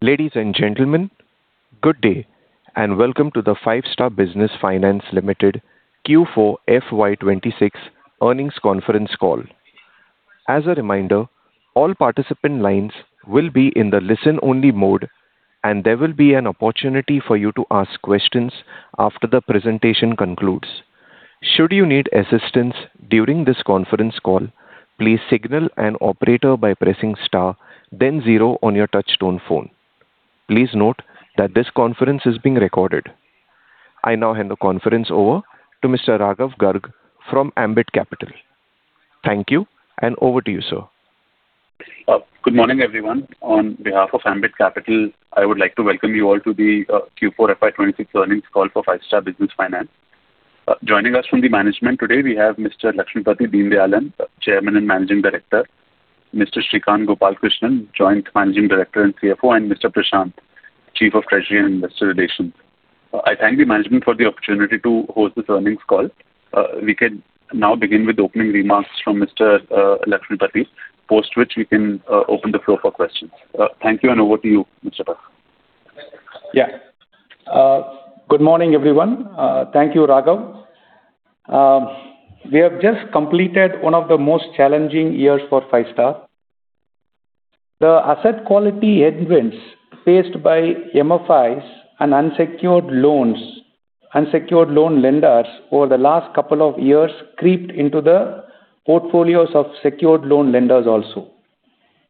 Ladies and gentlemen, good day, and welcome to the Five-Star Business Finance Limited Q4 FY 2026 earnings conference call. As a reminder, all participant lines will be in the listen only mode, and there will be an opportunity for you to ask questions after the presentation concludes. Should you need assistance during this conference call, please signal an operator by pressing Star, then zero on your touchtone phone. Please note that this conference is being recorded. I now hand the conference over to Mr. Raghav Garg from Ambit Capital. Thank you, and over to you, sir. Good morning, everyone. On behalf of Ambit Capital, I would like to welcome you all to the Q4 FY 2026 earnings call for Five-Star Business Finance. Joining us from the management today we have Mr. Lakshmipathy Deenadayalan, Chairman and Managing Director; Mr. Srikanth Gopalakrishnan, Joint Managing Director and CFO; and Mr. Prashant, Chief of Treasury and Investor Relations. I thank the management for the opportunity to host this earnings call. We can now begin with opening remarks from Mr. Lakshmipathy, post which we can open the floor for questions. Thank you, and over to you, Mr. Pa- Good morning, everyone. Thank you, Raghav. We have just completed one of the most challenging years for Five-Star. The asset quality headwinds faced by MFIs and unsecured loans, unsecured loan lenders over the last couple of years creeped into the portfolios of secured loan lenders also,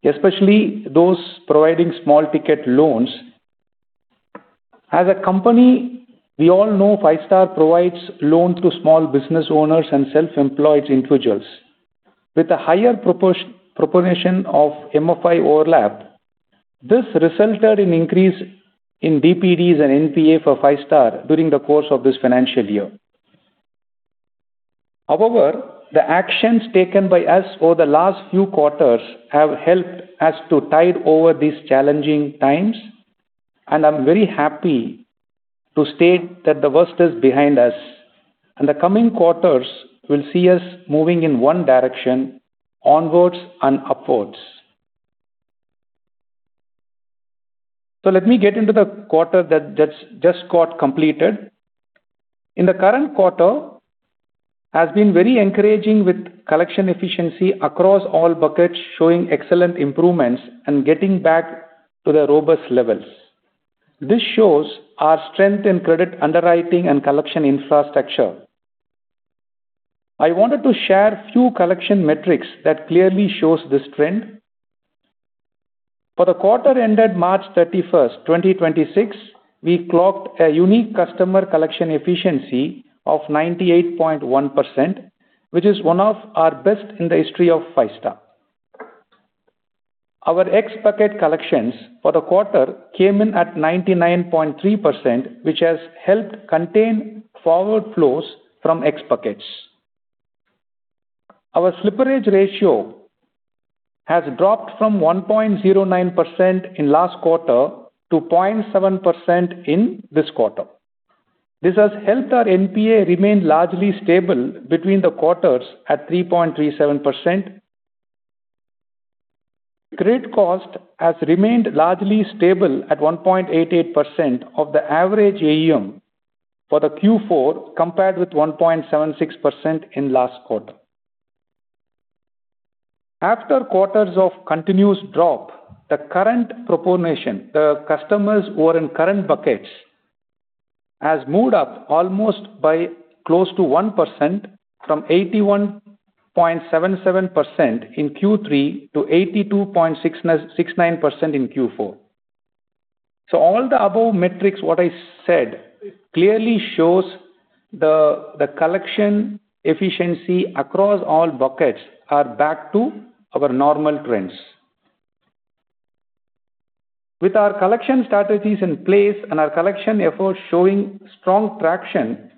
especially those providing small ticket loans. As a company, we all know Five-Star provides loans to small business owners and self-employed individuals with a higher proportion of MFI overlap. This resulted in increase in DPDs and NPA for Five-Star during the course of this financial year. The actions taken by us over the last few quarters have helped us to tide over these challenging times, and I'm very happy to state that the worst is behind us, and the coming quarters will see us moving in one direction, onwards and upwards. Let me get into the quarter that's just got completed. The current quarter has been very encouraging with collection efficiency across all buckets showing excellent improvements and getting back to the robust levels. This shows our strength in credit underwriting and collection infrastructure. I wanted to share a few collection metrics that clearly show this trend. For the quarter ended March 31, 2026, we clocked a unique customer collection efficiency of 98.1%, which is one of our best in the history of Five-Star. Our X bucket collections for the quarter came in at 99.3%, which has helped contain forward flows from X buckets. Our slippage ratio has dropped from 1.09% in last quarter to 0.7% in this quarter. This has helped our NPA remain largely stable between the quarters at 3.37%. Credit cost has remained largely stable at 1.88% of the average AUM for the Q4, compared with 1.76% in last quarter. After quarters of continuous drop, the current proportion, customers who are in current buckets has moved up almost by close to 1% from 81.77% in Q3 to 82.69% in Q4. All the above metrics, what I said, clearly shows the collection efficiency across all buckets are back to our normal trends. With our collection strategies in place and our collection efforts showing strong traction,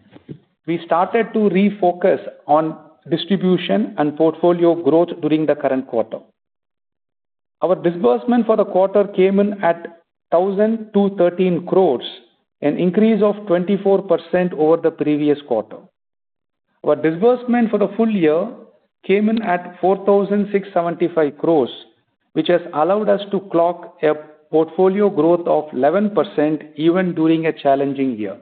we started to refocus on distribution and portfolio growth during the current quarter. Our disbursement for the quarter came in at 1,213 crore, an increase of 24% over the previous quarter. Our disbursement for the full year came in at 4,675 crore, which has allowed us to clock a portfolio growth of 11% even during a challenging year.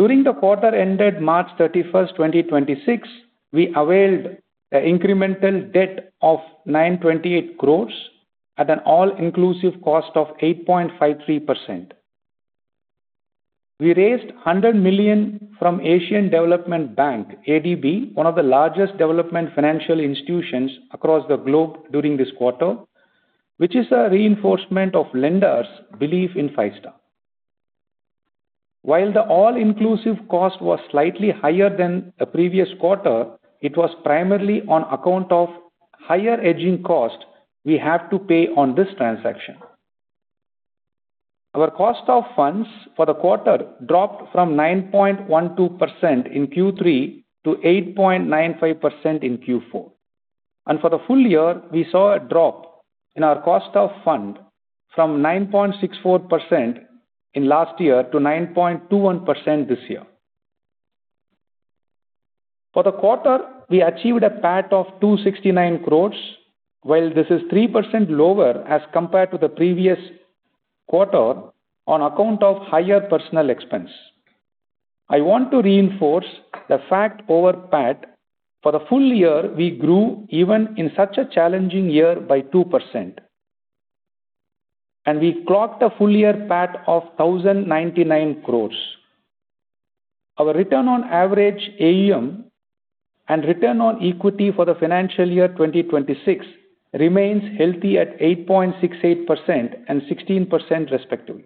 During the quarter ended March 31, 2026, we availed the incremental debt of 928 crore at an all-inclusive cost of 8.53%. We raised $100 million from Asian Development Bank, ADB, one of the largest development financial institutions across the globe during this quarter, which is a reinforcement of lenders' belief in Five-Star. While the all-inclusive cost was slightly higher than the previous quarter, it was primarily on account of higher hedging cost we have to pay on this transaction. Our cost of funds for the quarter dropped from 9.12% in Q3 to 8.95% in Q4. For the full year, we saw a drop in our cost of fund from 9.64% in last year to 9.21% this year. For the quarter, we achieved a PAT of 269 crore. While this is 3% lower as compared to the previous quarter on account of higher personnel expense. I want to reinforce the fact our PAT for the full year, we grew even in such a challenging year by 2%. We clocked a full year PAT of 1,099 crore. Our return on average AUM and return on equity for the financial year 2026 remains healthy at 8.68% and 16% respectively.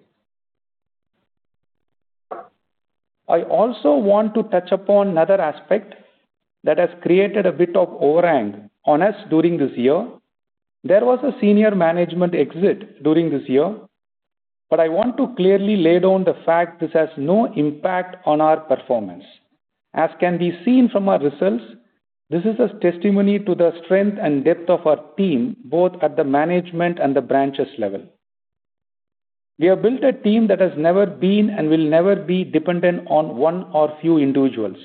I also want to touch upon another aspect that has created a bit of overhang on us during this year. There was a senior management exit during this year, but I want to clearly lay down the fact this has no impact on our performance. As can be seen from our results, this is a testimony to the strength and depth of our team, both at the management and the branches level. We have built a team that has never been and will never be dependent on one or few individuals.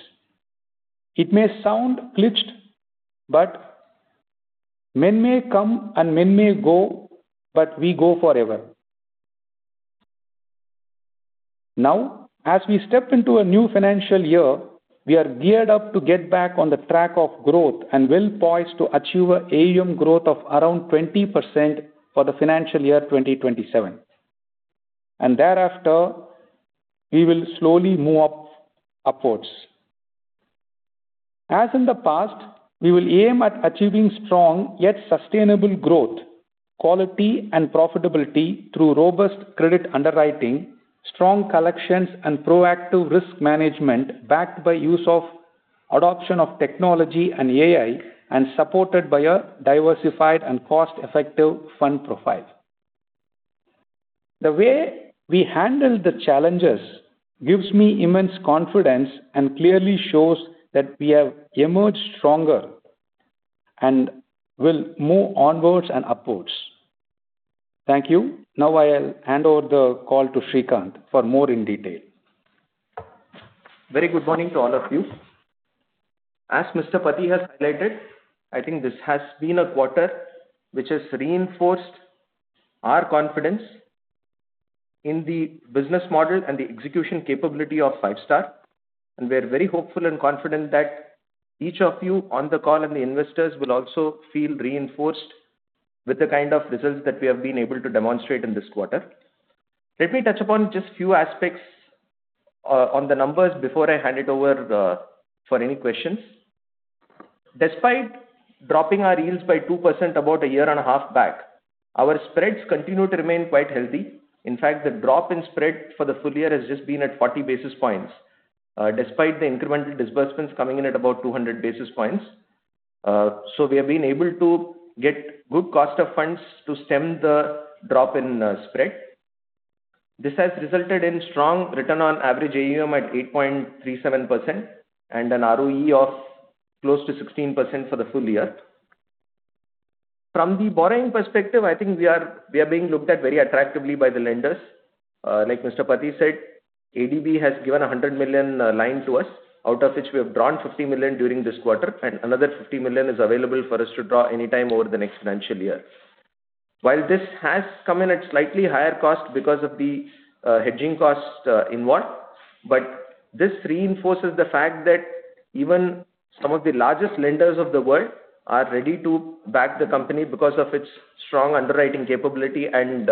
It may sound clichéd, but men may come and men may go, but we go forever. Now, as we step into a new financial year, we are geared up to get back on the track of growth and well-poised to achieve an AUM growth of around 20% for the financial year 2027. Thereafter, we will slowly move upwards. As in the past, we will aim at achieving strong yet sustainable growth, quality and profitability through robust credit underwriting, strong collections and proactive risk management backed by use of adoption of technology and AI, and supported by a diversified and cost-effective fund profile. The way we handled the challenges gives me immense confidence and clearly shows that we have emerged stronger and will move onwards and upwards. Thank you. Now I'll hand over the call to Srikanth for more in detail. Very good morning to all of you. As Mr. Pathy has highlighted, I think this has been a quarter which has reinforced our confidence in the business model and the execution capability of Five-Star, and we are very hopeful and confident that each of you on the call and the investors will also feel reinforced with the kind of results that we have been able to demonstrate in this quarter. Let me touch upon just few aspects on the numbers before I hand it over for any questions. Despite dropping our yields by 2% about a year and a half back, our spreads continue to remain quite healthy. In fact, the drop in spread for the full year has just been at 40 basis points, despite the incremental disbursements coming in at about 200 basis points. We have been able to get good cost of funds to stem the drop in spread. This has resulted in strong return on average AUM at 8.37% and an ROE of close to 16% for the full year. From the borrowing perspective, I think we are being looked at very attractively by the lenders. Like Mr. Pathy said, ADB has given a $100 million line to us, out of which we have drawn $50 million during this quarter, and another $50 million is available for us to draw any time over the next financial year. While this has come in at slightly higher cost because of the hedging cost involved, but this reinforces the fact that even some of the largest lenders of the world are ready to back the company because of its strong underwriting capability and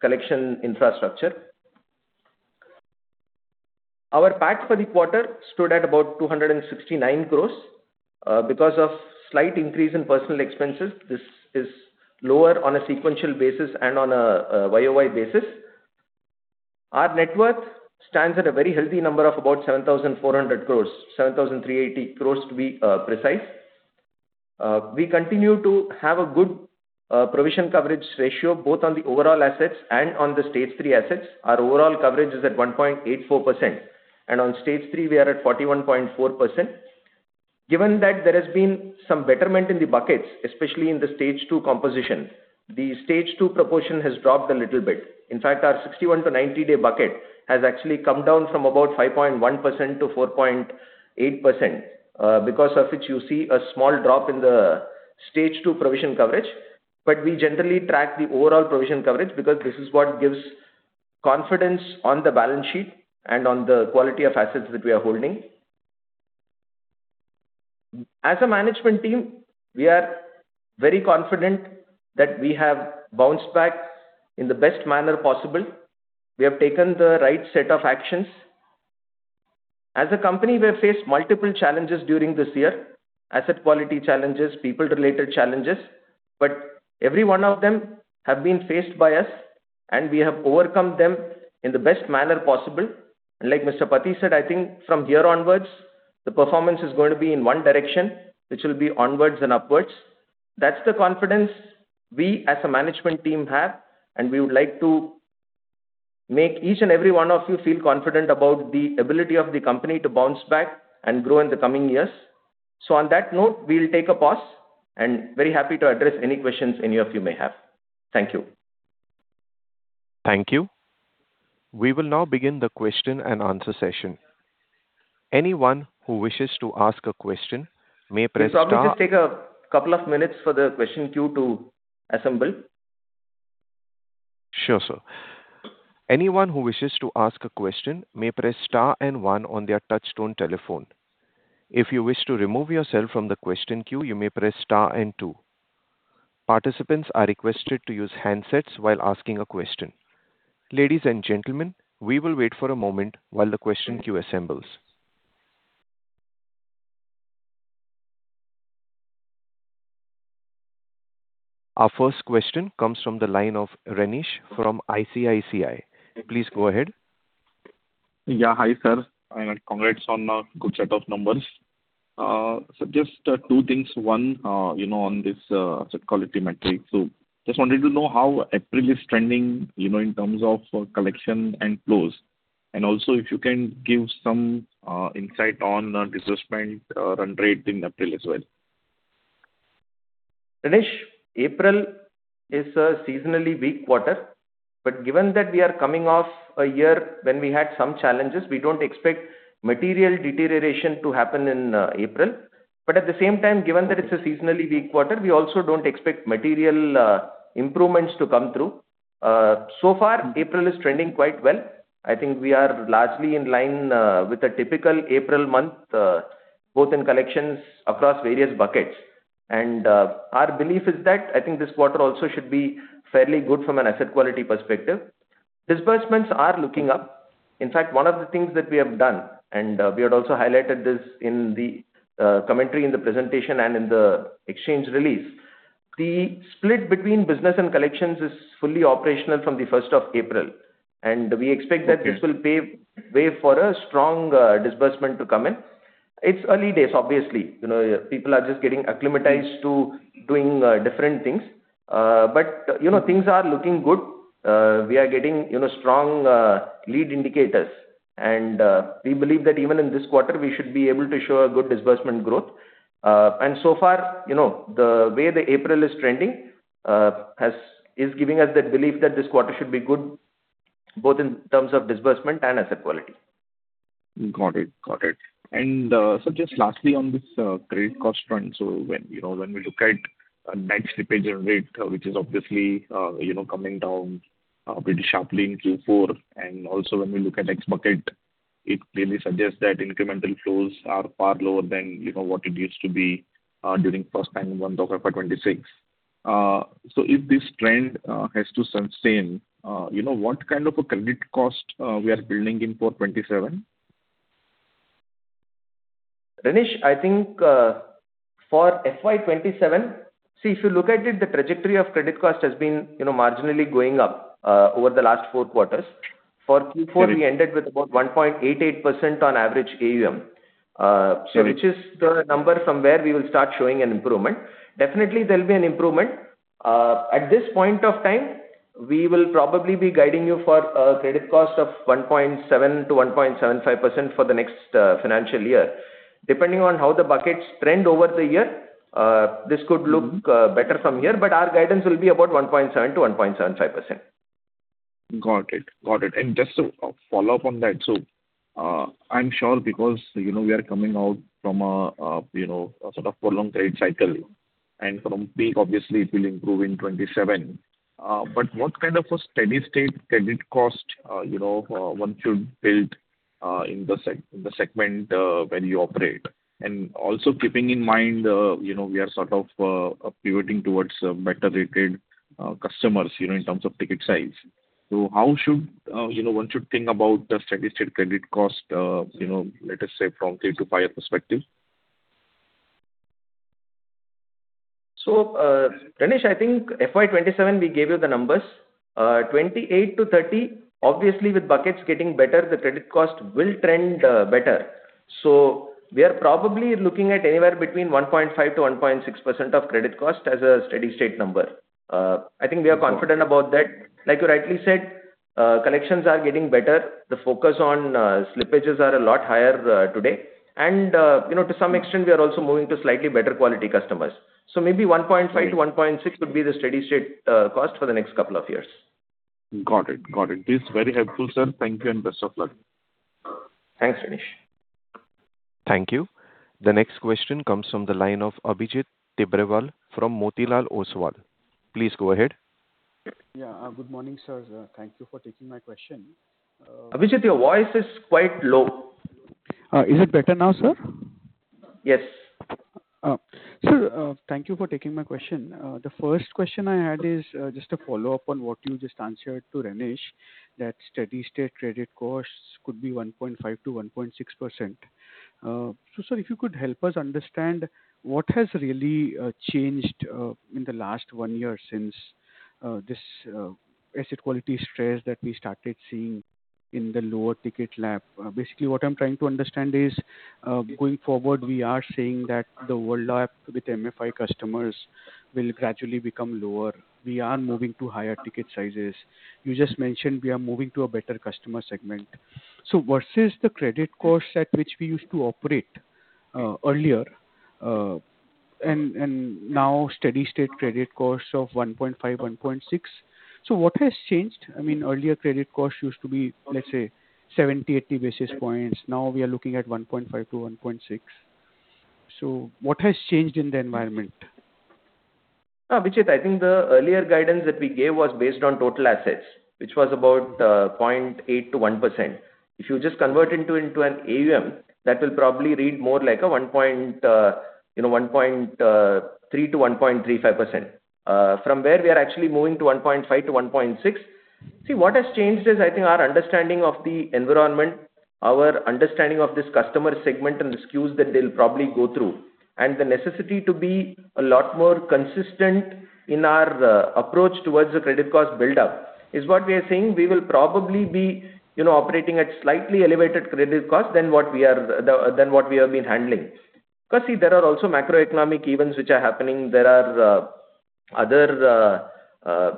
collection infrastructure. Our PAT for the quarter stood at about 269 crore because of slight increase in personal expenses. This is lower on a sequential basis and on a YOY basis. Our net worth stands at a very healthy number of about 7,400 crore. 7,380 crore to be precise. We continue to have a good provision coverage ratio both on the overall assets and on the Stage 3 assets. Our overall coverage is at 1.84%, and on Stage 3 we are at 41.4%. Given that there has been some betterment in the buckets, especially in the Stage 2 composition, the Stage 2 proportion has dropped a little bit. In fact, our 61 to 90-day bucket has actually come down from about 5.1% to 4.8%, because of which you see a small drop in the Stage 2 provision coverage. We generally track the overall provision coverage because this is what gives confidence on the balance sheet and on the quality of assets that we are holding. As a management team, we are very confident that we have bounced back in the best manner possible. We have taken the right set of actions. As a company, we have faced multiple challenges during this year, asset quality challenges, people-related challenges, but every one of them have been faced by us, and we have overcome them in the best manner possible. Like Mr. Pathy said, I think from here onwards, the performance is going to be in one direction, which will be onwards and upwards. That's the confidence we as a management team have, and we would like to make each and every one of you feel confident about the ability of the company to bounce back and grow in the coming years. On that note, we'll take a pause and very happy to address any questions any of you may have. Thank you. Thank you. We will now begin the question and answer session. Anyone who wishes to ask a question may press star- We'll probably just take a couple of minutes for the question queue to assemble. Sure, sir. Anyone who wishes to ask a question may press star and one on their touchtone telephone. If you wish to remove yourself from the question queue, you may press star and two. Participants are requested to use handsets while asking a question. Ladies and gentlemen, we will wait for a moment while the question queue assembles. Our first question comes from the line of Renish from ICICI. Please go ahead. Yeah. Hi, sir, and congrats on a good set of numbers. Just two things. One, you know, on this asset quality metric. Just wanted to know how April is trending, you know, in terms of collection and flows. Also if you can give some insight on disbursement run rate in April as well. Renish, April is a seasonally weak quarter, but given that we are coming off a year when we had some challenges, we don't expect material deterioration to happen in April. At the same time, given that it's a seasonally weak quarter, we also don't expect material improvements to come through. So far, April is trending quite well. I think we are largely in line with a typical April month, both in collections across various buckets. Our belief is that I think this quarter also should be fairly good from an asset quality perspective. Disbursements are looking up. In fact, one of the things that we have done, and we had also highlighted this in the commentary in the presentation and in the exchange release. The split between business and collections is fully operational from the 1st of April. We expect that this will pave for a strong disbursement to come in. It's early days, obviously. You know, people are just getting acclimatized to doing different things. You know, things are looking good. We are getting, you know, strong lead indicators. We believe that even in this quarter, we should be able to show a good disbursement growth. So far, you know, the way April is trending is giving us that belief that this quarter should be good both in terms of disbursement and asset quality. Got it. Got it. Just lastly on this credit cost front. When, you know, when we look at net slippage rate, which is obviously, you know, coming down pretty sharply in Q4, and also when we look at X-bucket, it clearly suggests that incremental flows are far lower than, you know, what it used to be during first time in month of FY 2026. If this trend has to sustain, you know, what kind of a credit cost we are building in for 2027? Renish, I think, for FY 2027. See, if you look at it, the trajectory of credit cost has been, you know, marginally going up over the last four quarters. For Q4, we ended with about 1.88% on average AUM. Sure. which is the number from where we will start showing an improvement. Definitely there'll be an improvement. At this point of time, we will probably be guiding you for a credit cost of 1.7% to 1.75% for the next financial year. Depending on how the buckets trend over the year, this could look better from here, but our guidance will be about 1.7% to 1.75%. Got it. Got it. Just a follow-up on that. I'm sure because, you know, we are coming out from a, you know, a sort of prolonged credit cycle and from peak, obviously it will improve in 2027. What kind of a steady-state credit cost, you know, one should build in the segment where you operate? Also keeping in mind, you know, we are sort of pivoting towards better rated customers, you know, in terms of ticket size. How should, you know, one should think about the steady-state credit cost, you know, let us say from 3 lakh-5 lakh perspective? Renish, I think FY 2027, we gave you the numbers. 2028-2030, obviously with buckets getting better, the credit cost will trend better. We are probably looking at anywhere between 1.5%-1.6% of credit cost as a steady-state number. I think we are confident about that. Like you rightly said, collections are getting better. The focus on slippages are a lot higher today. You know, to some extent, we are also moving to slightly better quality customers. Maybe 1.5%-1.6% would be the steady-state cost for the next couple of years. Got it. It's very helpful, sir. Thank you, and best of luck. Thanks, Renish. Thank you. The next question comes from the line of Abhijit Tibrewal from Motilal Oswal. Please go ahead. Good morning, sir. Thank you for taking my question. Abhijit, your voice is quite low. Is it better now, sir? Yes. Sir, thank you for taking my question. The first question I had is just a follow-up on what you just answered to Renish, that steady-state credit costs could be 1.5%-1.6%. Sir, if you could help us understand what has really changed in the last one year since this asset quality stress that we started seeing in the lower ticket LAP. Basically, what I am trying to understand is going forward, we are saying that the overlap with MFI customers will gradually become lower. We are moving to higher ticket sizes. You just mentioned we are moving to a better customer segment. Versus the credit cost at which we used to operate earlier, and now steady state credit cost of 1.5%, 1.6%, what has changed? I mean, earlier credit cost used to be, let's say, 70-80 basis points. Now we are looking at 1.5-1.6. What has changed in the environment? Abhijit, I think the earlier guidance that we gave was based on total assets, which was about 0.8%-1%. If you just convert into an AUM, that will probably read more like a 1.3%-1.35%. From where we are actually moving to 1.5%-1.6%. What has changed is, I think, our understanding of the environment, our understanding of this customer segment and the skews that they'll probably go through, and the necessity to be a lot more consistent in our approach towards the credit cost buildup is what we are saying. We will probably be, you know, operating at slightly elevated credit cost than what we are, than what we have been handling. 'Cause there are also macroeconomic events which are happening. There are other,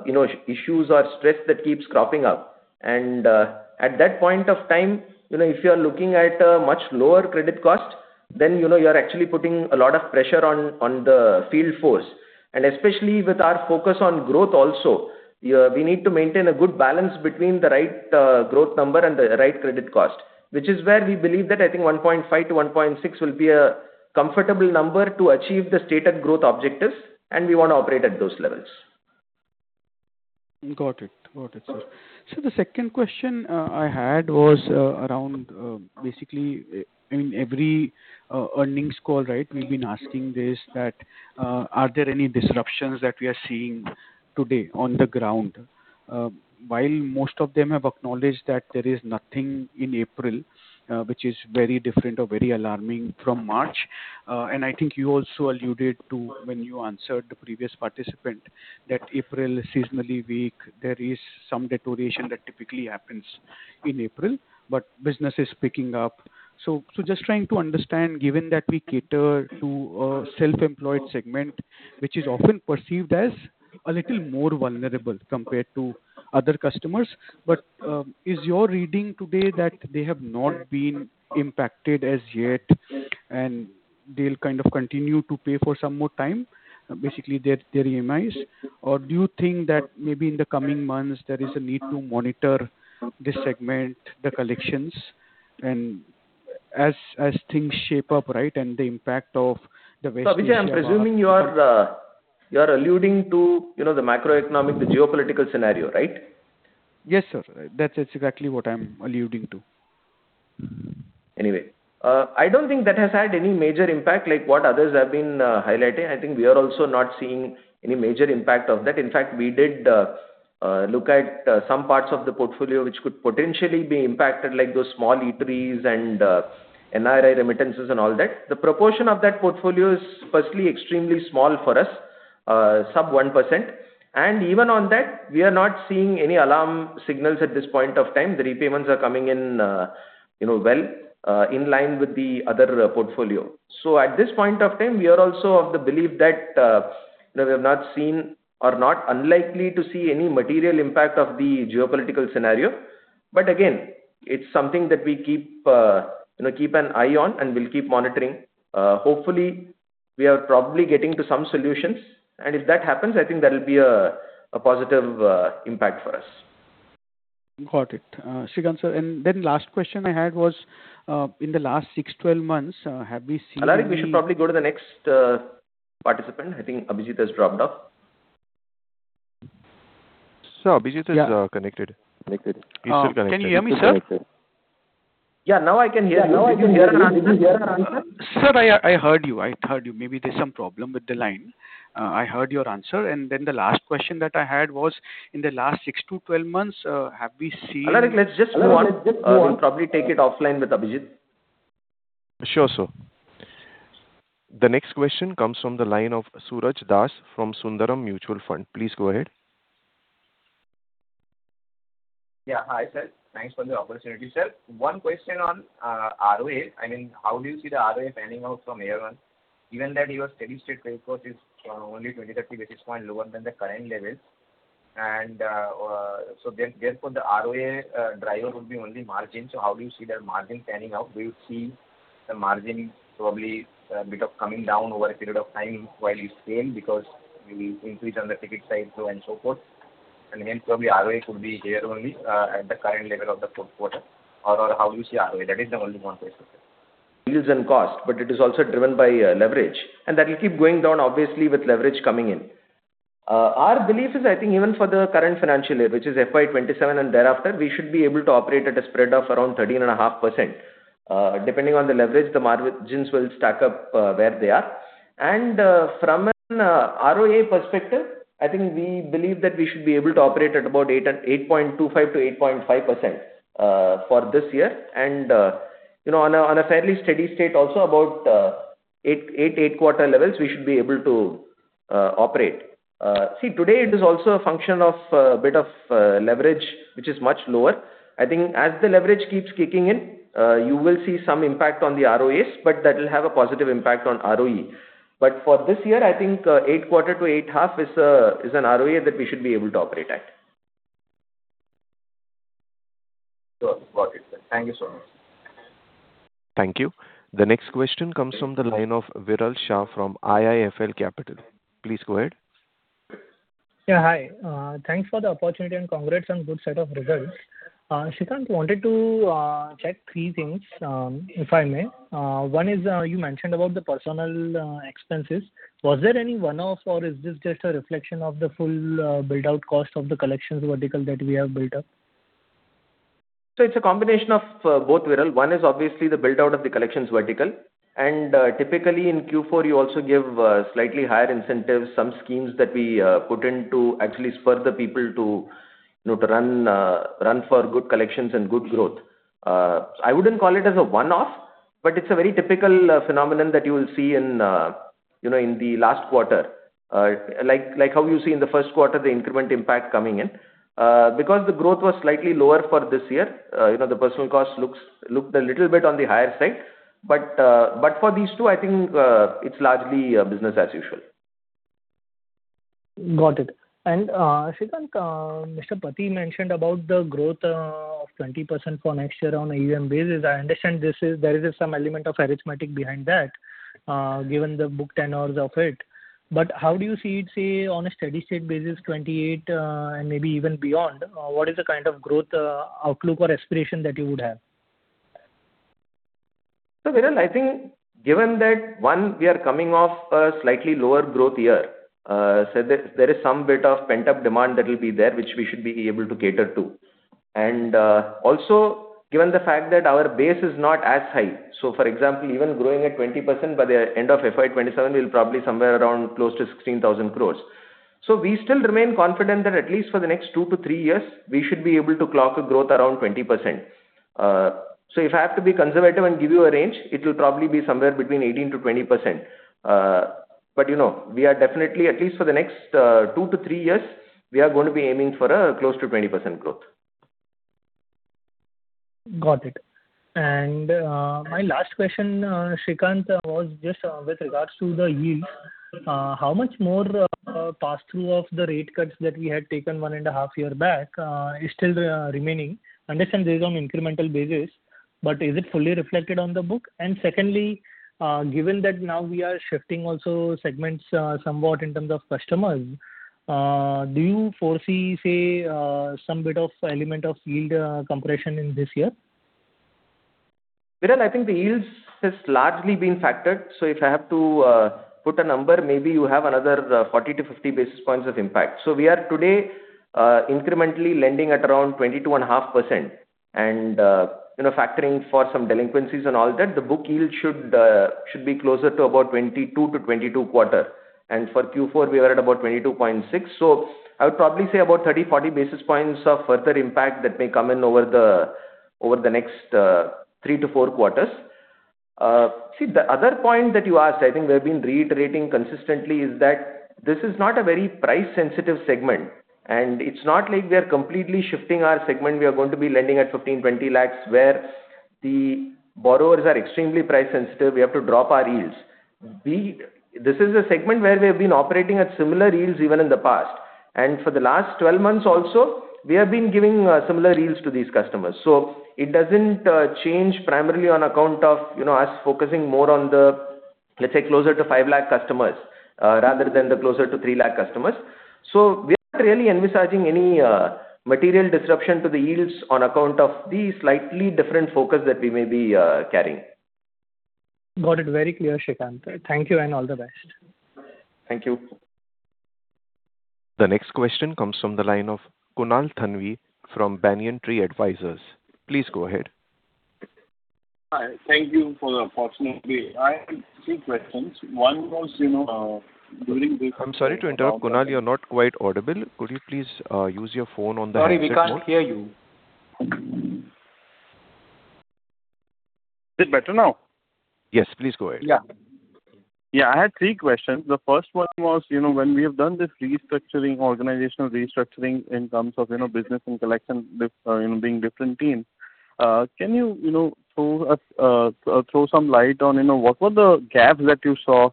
you know, issues or stress that keeps cropping up. At that point of time, you know, if you are looking at a much lower credit cost, then you know you're actually putting a lot of pressure on the field force. Especially with our focus on growth also, we need to maintain a good balance between the right growth number and the right credit cost. Which is where we believe that I think 1.5%-1.6% will be a comfortable number to achieve the stated growth objectives, and we wanna operate at those levels. Got it. Got it, sir. The 2nd question I had was around, basically, I mean, every earnings call, right? We've been asking this, that are there any disruptions that we are seeing today on the ground? While most of them have acknowledged that there is nothing in April, which is very different or very alarming from March, and I think you also alluded to when you answered the previous participant that April is seasonally weak. There is some deterioration that typically happens in April, but business is picking up. Just trying to understand, given that we cater to a self-employed segment, which is often perceived as a little more vulnerable compared to other customers. Is your reading today that they have not been impacted as yet, and they'll kind of continue to pay for some more time, basically their EMIs? Do you think that maybe in the coming months there is a need to monitor this segment, the collections and as things shape up, right? Abhijit Tibrewal, I'm presuming you are alluding to, you know, the macroeconomic, the geopolitical scenario, right? Yes, sir. That's exactly what I'm alluding to. Anyway. I don't think that has had any major impact like what others have been highlighting. I think we are also not seeing any major impact of that. In fact, we did look at some parts of the portfolio which could potentially be impacted, like those small eateries and NRI remittances and all that. The proportion of that portfolio is firstly extremely small for us, sub 1%, and even on that, we are not seeing any alarm signals at this point of time. The repayments are coming in, you know, well, in line with the other portfolio. At this point of time, we are also of the belief that, you know, we have not seen or not unlikely to see any material impact of the geopolitical scenario. Again, it's something that we keep, you know, keep an eye on, and we'll keep monitoring. Hopefully, we are probably getting to some solutions, and if that happens, I think that'll be a positive impact for us. Got it. Srikanth, sir, last question I had was, in the last 6-12 months, have we seen? Alaric, we should probably go to the next participant. I think Abhijit has dropped off. Sir, Abhijit is connected. Connected. He's still connected. Can you hear me, sir? Yeah, now I can hear you. Did you hear our answer? Sir, I heard you. I heard you. Maybe there's some problem with the line. I heard your answer. The last question that I had was in the last 6-12 months, have we seen. Alaric, let's just move on. We'll probably take it offline with Abhijit. Sure, sir. The next question comes from the line of Suraj Das from Sundaram Mutual Fund. Please go ahead. Yeah. Hi, sir. Thanks for the opportunity. Sir, one question on ROA. I mean, how do you see the ROA panning out from here on, given that your steady-state credit cost is only 20, 30 basis point lower than the current levels and, therefore, the ROA driver would be only margin. How do you see that margin panning out? Do you see the margin probably a bit of coming down over a period of time while you scale because you increase on the ticket size and so forth? Hence probably ROA could be here only at the current level of the fourth quarter or how you see ROA? That is the only one question, sir.... yields and cost, but it is also driven by leverage, and that will keep going down obviously with leverage coming in. Our belief is, I think even for the current financial year, which is FY 2027 and thereafter, we should be able to operate at a spread of around 13.5%. Depending on the leverage, the margins will stack up where they are. From an ROA perspective, I think we believe that we should be able to operate at about 8.25%-8.5% for this year. You know, on a fairly steady state also about 8.25% levels, we should be able to operate. Today it is also a function of a bit of leverage, which is much lower. I think as the leverage keeps kicking in, you will see some impact on the ROAs, that will have a positive impact on ROE. For this year, I think, 8.25%-8.5% is an ROA that we should be able to operate at. Sure. Got it. Thank you so much. Thank you. The next question comes from the line of Viral Shah from IIFL Capital. Please go ahead. Hi. Thanks for the opportunity and congrats on good set of results. Srikanth, wanted to check three things, if I may. One is, you mentioned about the personal expenses. Was there any one-off, or is this just a reflection of the full build-out cost of the collections vertical that we have built up? It's a combination of both, Viral. Typically in Q4 you also give slightly higher incentives, some schemes that we put in to actually spur the people to, you know, to run for good collections and good growth. I wouldn't call it as a one-off, but it's a very typical phenomenon that you will see in, you know, in the last quarter. Like, like how you see in the first quarter the increment impact coming in. Because the growth was slightly lower for this year, you know, the personal cost looks, looked a little bit on the higher side. But for these two, I think, it's largely business as usual. Got it. Srikanth, Mr. Pathy mentioned about the growth of 20% for next year on AUM basis. I understand there is some element of arithmetic behind that, given the book tenures of it. How do you see it, say, on a steady state basis, 2028, and maybe even beyond? What is the kind of growth outlook or aspiration that you would have? Viral, I think given that, 1, we are coming off a slightly lower growth year, there is some bit of pent-up demand that will be there, which we should be able to cater to. Also, given the fact that our base is not as high. For example, even growing at 20% by the end of FY 2027, we'll probably somewhere around close to 16,000 crore. We still remain confident that at least for the next 2-3 years, we should be able to clock a growth around 20%. If I have to be conservative and give you a range, it'll probably be somewhere between 18%-20%. You know, we are definitely, at least for the next, two to three years, we are gonna be aiming for, close to 20% growth. Got it. My last question, Srikanth, was just with regards to the yields. How much more pass-through of the rate cuts that we had taken 1.5 years back is still remaining? Understand this is on incremental basis, but is it fully reflected on the book? Secondly, given that now we are shifting also segments somewhat in terms of customers, do you foresee, say, some bit of element of yield compression in this year? Viral, I think the yields has largely been factored. If I have to put a number, maybe you have another 40 to 50 basis points of impact. We are today incrementally lending at around 22.5%. You know, factoring for some delinquencies and all that, the book yield should be closer to about 22%-22.25%. For Q4 we are at about 22.6. I would probably say about 30, 40 basis points of further impact that may come in over the, over the next 3 to 4 quarters. See, the other point that you asked, I think we've been reiterating consistently, is that this is not a very price-sensitive segment, and it's not like we are completely shifting our segment. We are going to be lending at 15 lakh-20 lakh, where the borrowers are extremely price sensitive. We have to drop our yields. This is a segment where we have been operating at similar yields even in the past. For the last 12 months also, we have been giving similar yields to these customers. It doesn't change primarily on account of, you know, us focusing more on the, let's say, closer to 5 lakh customers, rather than the closer to 3 lakh customers. We're not really envisaging any material disruption to the yields on account of the slightly different focus that we may be carrying. Got it. Very clear, Srikanth. Thank you and all the best. Thank you. The next question comes from the line of Kunal Thanvi from Banyan Tree Advisors. Please go ahead. Hi. Thank you for the opportunity. I had three questions. one was, you know. I'm sorry to interrupt, Kunal. You're not quite audible. Could you please use your phone on the handset mode? Sorry, we can't hear you. Is it better now? Yes, please go ahead. I had three questions. The first one was, when we have done this restructuring, organizational restructuring in terms of business and collection, being different teams, can you throw some light on what were the gaps that you saw?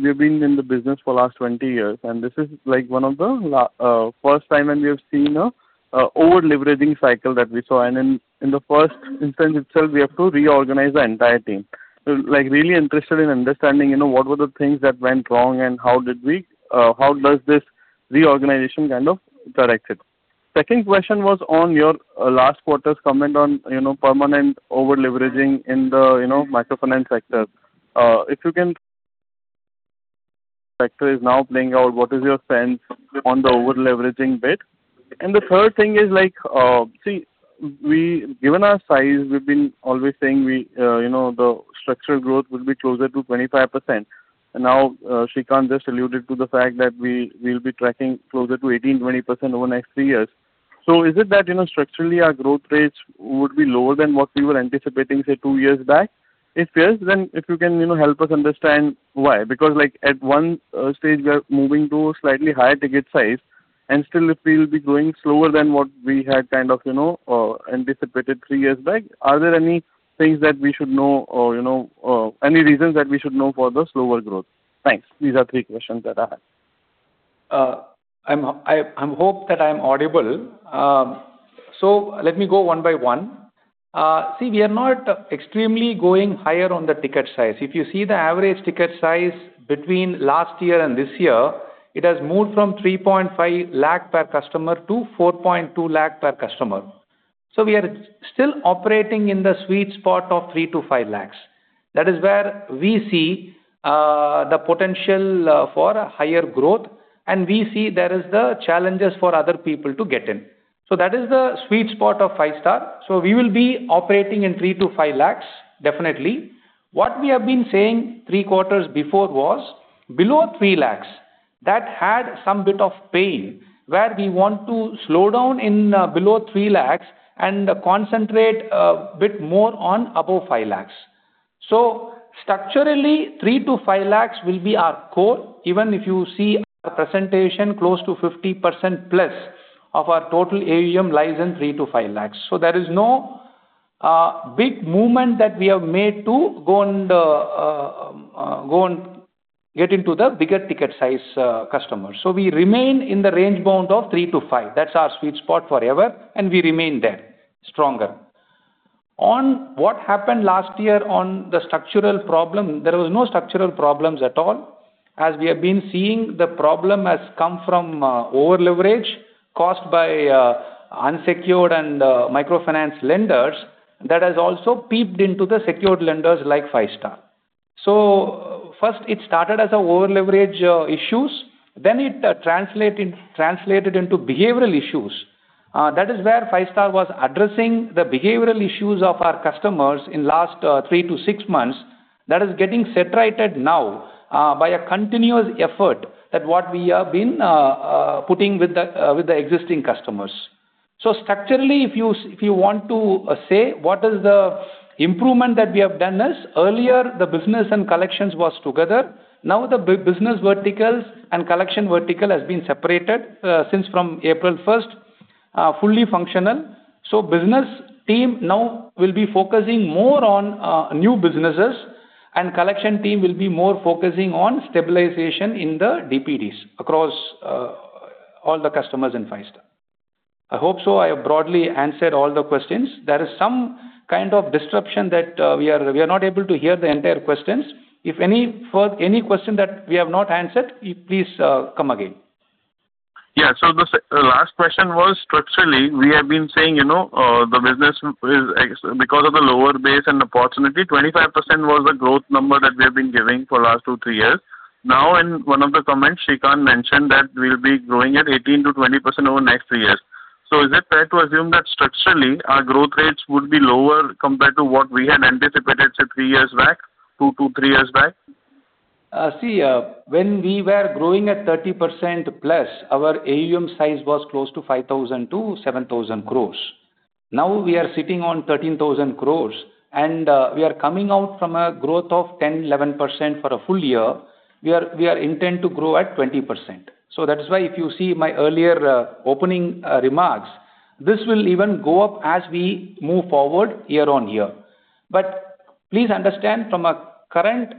We've been in the business for last 20 years, and this is like one of the first time when we have seen a over-leveraging cycle that we saw. In the first instance itself, we have to reorganize the entire team. Really interested in understanding what were the things that went wrong and how did we, how does this reorganization kind of correct it? Second question was on your last quarter's comment on, you know, permanent over-leveraging in the, you know, microfinance sector. Sector is now playing out, what is your sense on the over-leveraging bit? The third thing is, like, Given our size, we've been always saying we, you know, the structural growth will be closer to 25%. Now, Srikanth Gopalakrishnan just alluded to the fact that we'll be tracking closer to 18%-20% over next three years. Is it that, you know, structurally our growth rates would be lower than what we were anticipating, say, two years back? If yes, if you can, you know, help us understand why. Like, at one stage we are moving to a slightly higher ticket size, and still if we will be growing slower than what we had anticipated three years back, are there any things that we should know or any reasons that we should know for the slower growth? Thanks. These are three questions that I had. I hope that I am audible. Let me go one by one. We are not extremely going higher on the ticket size. If you see the average ticket size between last year and this year, it has moved from 3.5 lakh per customer to 4.2 lakh per customer. We are still operating in the sweet spot of 3 lakh-5 lakh. That is where we see the potential for a higher growth, and we see there is the challenges for other people to get in. That is the sweet spot of Five-Star. We will be operating in 3 lakh-5 lakh, definitely. What we have been saying three quarters before was below 3 lakh, that had some bit of pain where we want to slow down in below 3 lakh and concentrate a bit more on above 5 lakh. Structurally, 3 lakh-5 lakh will be our core. Even if you see our presentation, close to 50% plus of our total AUM lies in 3 lakh-5 lakh. There is no big movement that we have made to go and get into the bigger ticket size customers. We remain in the range bound of 3 lakh-5 lakh. That's our sweet spot forever, and we remain there stronger. On what happened last year on the structural problem, there was no structural problems at all. As we have been seeing, the problem has come from over-leverage caused by unsecured and microfinance lenders that has also peeped into the secured lenders like Five-Star. First it started as a over-leverage issues, then it translated into behavioral issues. That is where Five-Star was addressing the behavioral issues of our customers in last 3 to 6 months. That is getting set right at now by a continuous effort that what we have been putting with the existing customers. Structurally, if you want to say what is the improvement that we have done is earlier the business and collections was together. Now the business verticals and collection vertical has been separated since from April 1st, fully functional. Business team now will be focusing more on new businesses, and collection team will be more focusing on stabilization in the DPDs across all the customers in Five-Star. I hope so I have broadly answered all the questions. There is some kind of disruption that we are not able to hear the entire questions. If any question that we have not answered, please come again. Yeah. The last question was structurally, we have been saying, you know, the business is because of the lower base and the opportunity, 25% was the growth number that we have been giving for last 2-3 years. Now, in one of the comments, Srikanth mentioned that we'll be growing at 18%-20% over the next three years. Is it fair to assume that structurally our growth rates would be lower compared to what we had anticipated, say, three years back, 2-3 years back? See, when we were growing at 30%+, our AUM size was close to 5,000 crore-7,000 crore. Now we are sitting on 13,000 crore, and we are coming out from a growth of 10%-11% for a full year. We are intent to grow at 20%. That is why if you see my earlier opening remarks, this will even go up as we move forward year-on-year. Please understand from a current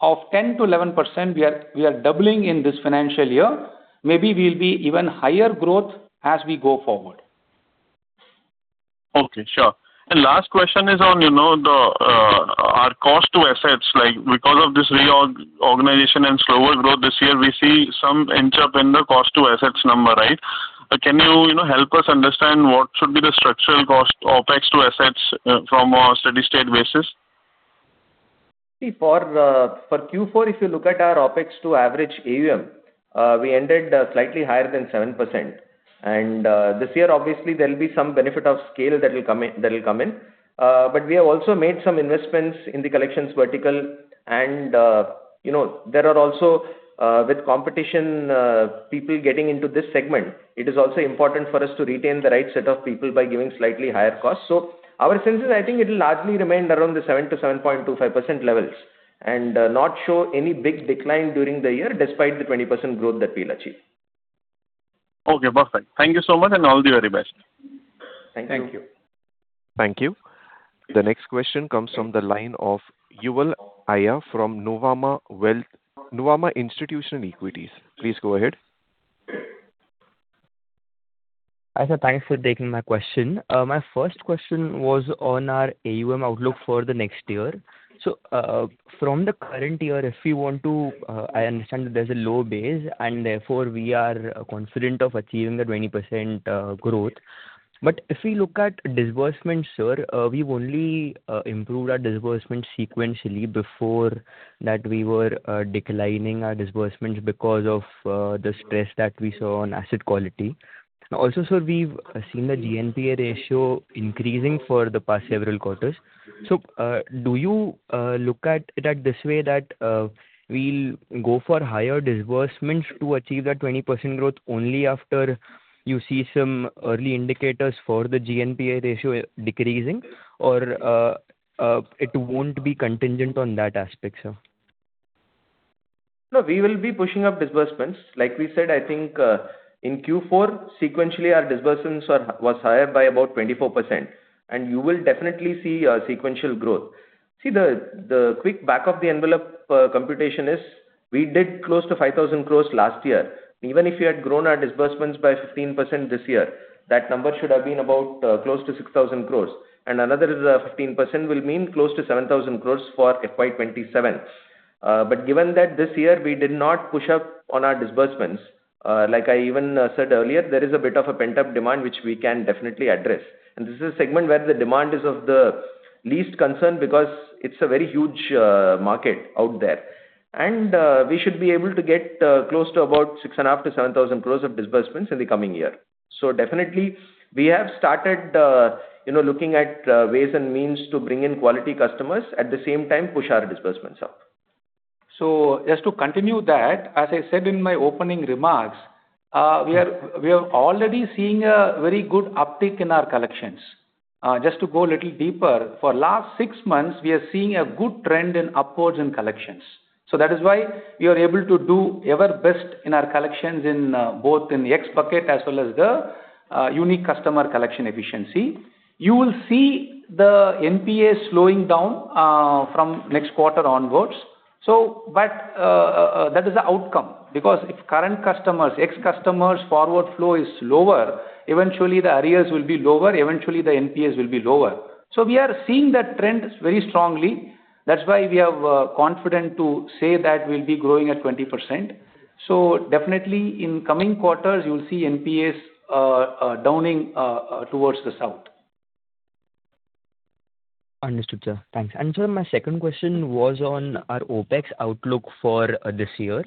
of 10%-11%, we are doubling in this financial year. Maybe we'll be even higher growth as we go forward. Okay. Sure. Last question is on, you know, the, our cost to assets, like because of this reorganization and slower growth this year, we see some inch up in the cost to assets number, right? Can you know, help us understand what should be the structural cost OpEx to assets from a steady state basis? See for Q4, if you look at our OpEx to average AUM, we ended slightly higher than 7%. This year, obviously there'll be some benefit of scale that will come in, that'll come in. But we have also made some investments in the collections vertical and, you know, there are also, with competition, people getting into this segment, it is also important for us to retain the right set of people by giving slightly higher costs. Our sense is I think it'll largely remain around the 7%-7.25% levels and not show any big decline during the year despite the 20% growth that we'll achieve. Okay. Perfect. Thank you so much. All the very best. Thank you. Thank you. Thank you. The next question comes from the line of Yuval Aiya from Nuvama Institutional Equities. Please go ahead. Hi, sir. Thanks for taking my question. My first question was on our AUM outlook for the next year. From the current year, if we want to, I understand that there's a low base and therefore we are confident of achieving the 20% growth. If we look at disbursements, sir, we've only improved our disbursement sequentially. Before that, we were declining our disbursements because of the stress that we saw on asset quality. Also, sir, we've seen the GNPA ratio increasing for the past several quarters. Do you look at it at this way that we'll go for higher disbursements to achieve that 20% growth only after you see some early indicators for the GNPA ratio decreasing or it won't be contingent on that aspect, sir? No, we will be pushing up disbursements. Like we said, I think, in Q4, sequentially our disbursements was higher by about 24%. You will definitely see a sequential growth. See the quick back of the envelope computation is we did close to 5,000 crore last year. Even if we had grown our disbursements by 15% this year, that number should have been about close to 6,000 crore. Another 15% will mean close to 7,000 crore for FY 2027. Given that this year we did not push up on our disbursements, like I even said earlier, there is a bit of a pent-up demand which we can definitely address. This is a segment where the demand is of the least concern because it's a very huge market out there. We should be able to get close to about 6,500 crore-7,000 crore of disbursements in the coming year. Definitely we have started, you know, looking at ways and means to bring in quality customers, at the same time push our disbursements up. Just to continue that, as I said in my opening remarks, we are already seeing a very good uptick in our collections. Just to go a little deeper, for last 6 months we are seeing a good trend in upwards in collections. That is why we are able to do ever best in our collections in both in the X-bucket as well as the unique customer collection efficiency. You will see the NPAs slowing down from next quarter onwards. But that is the outcome because if current customers, X-customers forward flow is lower, eventually the arrears will be lower, eventually the NPAs will be lower. That's why we are confident to say that we'll be growing at 20%. Definitely in coming quarters you'll see NPAs downing towards the south. Understood, sir. Thanks. Sir, my second question was on our OpEx outlook for this year.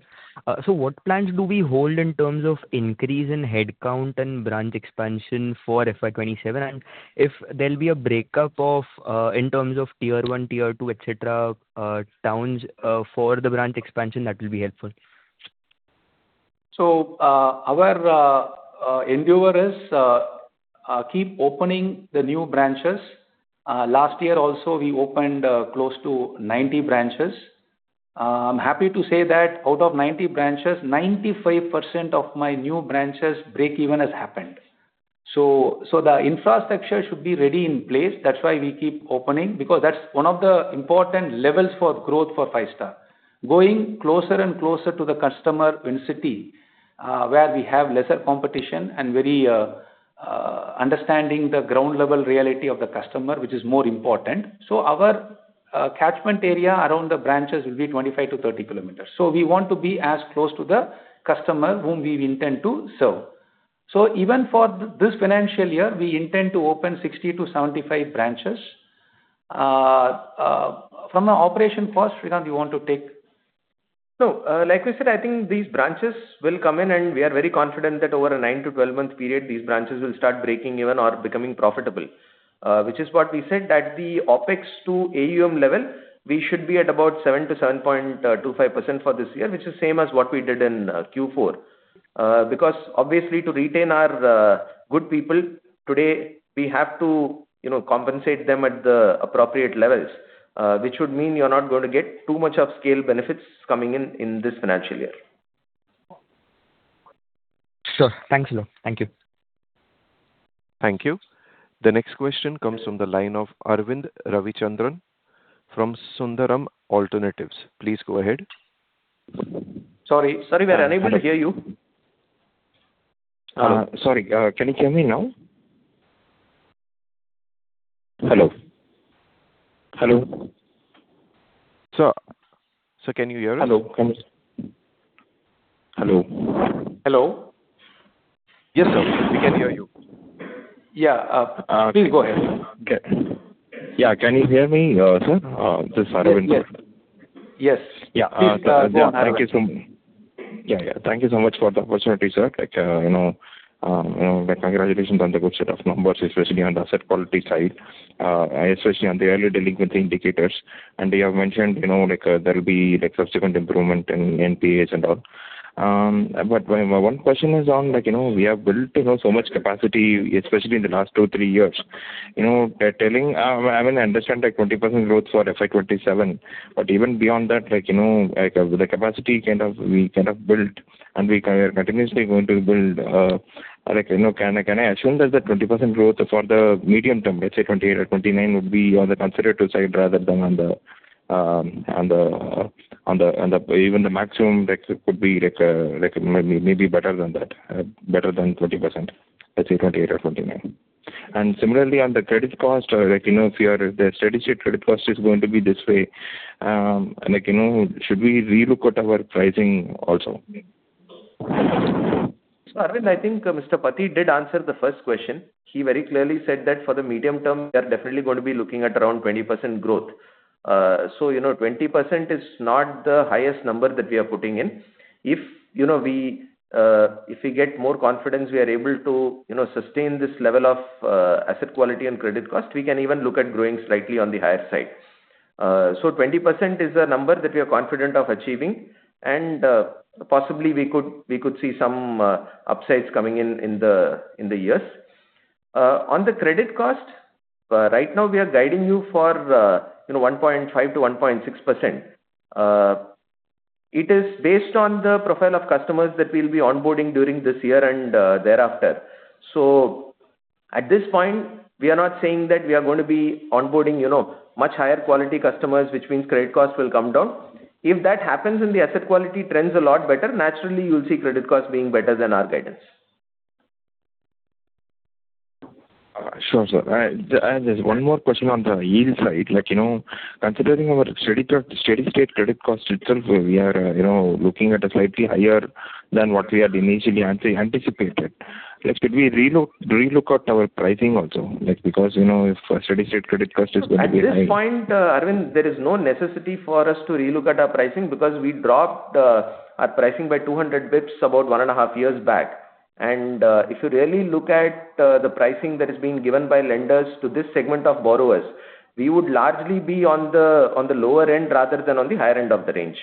What plans do we hold in terms of increase in headcount and branch expansion for FY 2027? If there'll be a breakup of in terms of Tier 1, Tier 2, et cetera, towns for the branch expansion, that will be helpful. Our endeavor is, keep opening the new branches. Last year also, we opened close to 90 branches. I'm happy to say that out of 90 branches, 95% of my new branches breakeven has happened. The infrastructure should be ready in place. That's why we keep opening, because that's one of the important levels for growth for Five-Star. Going closer and closer to the customer in city, where we have lesser competition and very understanding the ground level reality of the customer, which is more important. Our catchment area around the branches will be 25 to 30 kilometers. We want to be as close to the customer whom we intend to serve. Even for this financial year, we intend to open 60 to 75 branches. From a operation cost, Srikanth Gopalakrishnan, you want to take? No. like we said, I think these branches will come in, and we are very confident that over a 9-12 month period, these branches will start breaking even or becoming profitable. Which is what we said, that the OpEx to AUM level, we should be at about 7-7.25% for this year, which is same as what we did in Q4. Because obviously to retain our good people today, we have to, you know, compensate them at the appropriate levels, which would mean you're not going to get too much upscale benefits coming in in this financial year. Sure. Thanks a lot. Thank you. Thank you. The next question comes from the line of Aravind Ravichandran from Sundaram Alternates. Please go ahead. Sorry, we are unable to hear you. Sorry. Can you hear me now? Hello? Hello? Sir, can you hear us? Hello? Hello? Hello? Yes, sir. We can hear you. Yeah. Please go ahead. Okay. Yeah. Can you hear me, sir? This is Aravind. Yes. Please, go ahead. Yeah, yeah. Thank you so much for the opportunity, sir. Like, you know, like congratulations on the good set of numbers, especially on the asset quality side. Especially on the early delinquency indicators. You have mentioned, you know, like, there'll be, like, subsequent improvement in NPAs and all. My one question is on, like, you know, we have built, you know, so much capacity, especially in the last two, three years. You know, telling, I mean, I understand, like, 20% growth for FY 2027, but even beyond that, like, you know, like the capacity kind of, we kind of built and we are continuously going to build, like, you know, can I assume that the 20% growth for the medium term, let's say 2028 or 2029, would be on the conservative side rather than on the even the maximum, like could be like maybe better than that, better than 20%, let's say 2028 or 2029. Similarly, on the credit cost, like, you know, if your, the steady state credit cost is going to be this way, like, you know, should we relook at our pricing also? Aravind, I think Mr. Pathy did answer the first question. He very clearly said that for the medium term, we are definitely going to be looking at around 20% growth. You know, 20% is not the highest number that we are putting in. If, you know, we, if we get more confidence, we are able to, you know, sustain this level of asset quality and credit cost, we can even look at growing slightly on the higher side. 20% is a number that we are confident of achieving, and possibly we could see some upsides coming in the years. On the credit cost, right now we are guiding you for, you know, 1.5%-1.6%. It is based on the profile of customers that we'll be onboarding during this year and thereafter. At this point, we are not saying that we are going to be onboarding, you know, much higher quality customers, which means credit costs will come down. If that happens and the asset quality trends a lot better, naturally you'll see credit costs being better than our guidance. Sure, sir. There's one more question on the yield side. Like, you know, considering our steady-state credit cost itself, we are, you know, looking at a slightly higher than what we had initially anticipated. Like, should we relook at our pricing also? Like, you know, if a steady-state credit cost is going to be high. At this point, Aravind, there is no necessity for us to relook at our pricing because we dropped our pricing by 200 basis points about 1.5 years back. If you really look at the pricing that is being given by lenders to this segment of borrowers, we would largely be on the lower end rather than on the higher end of the range.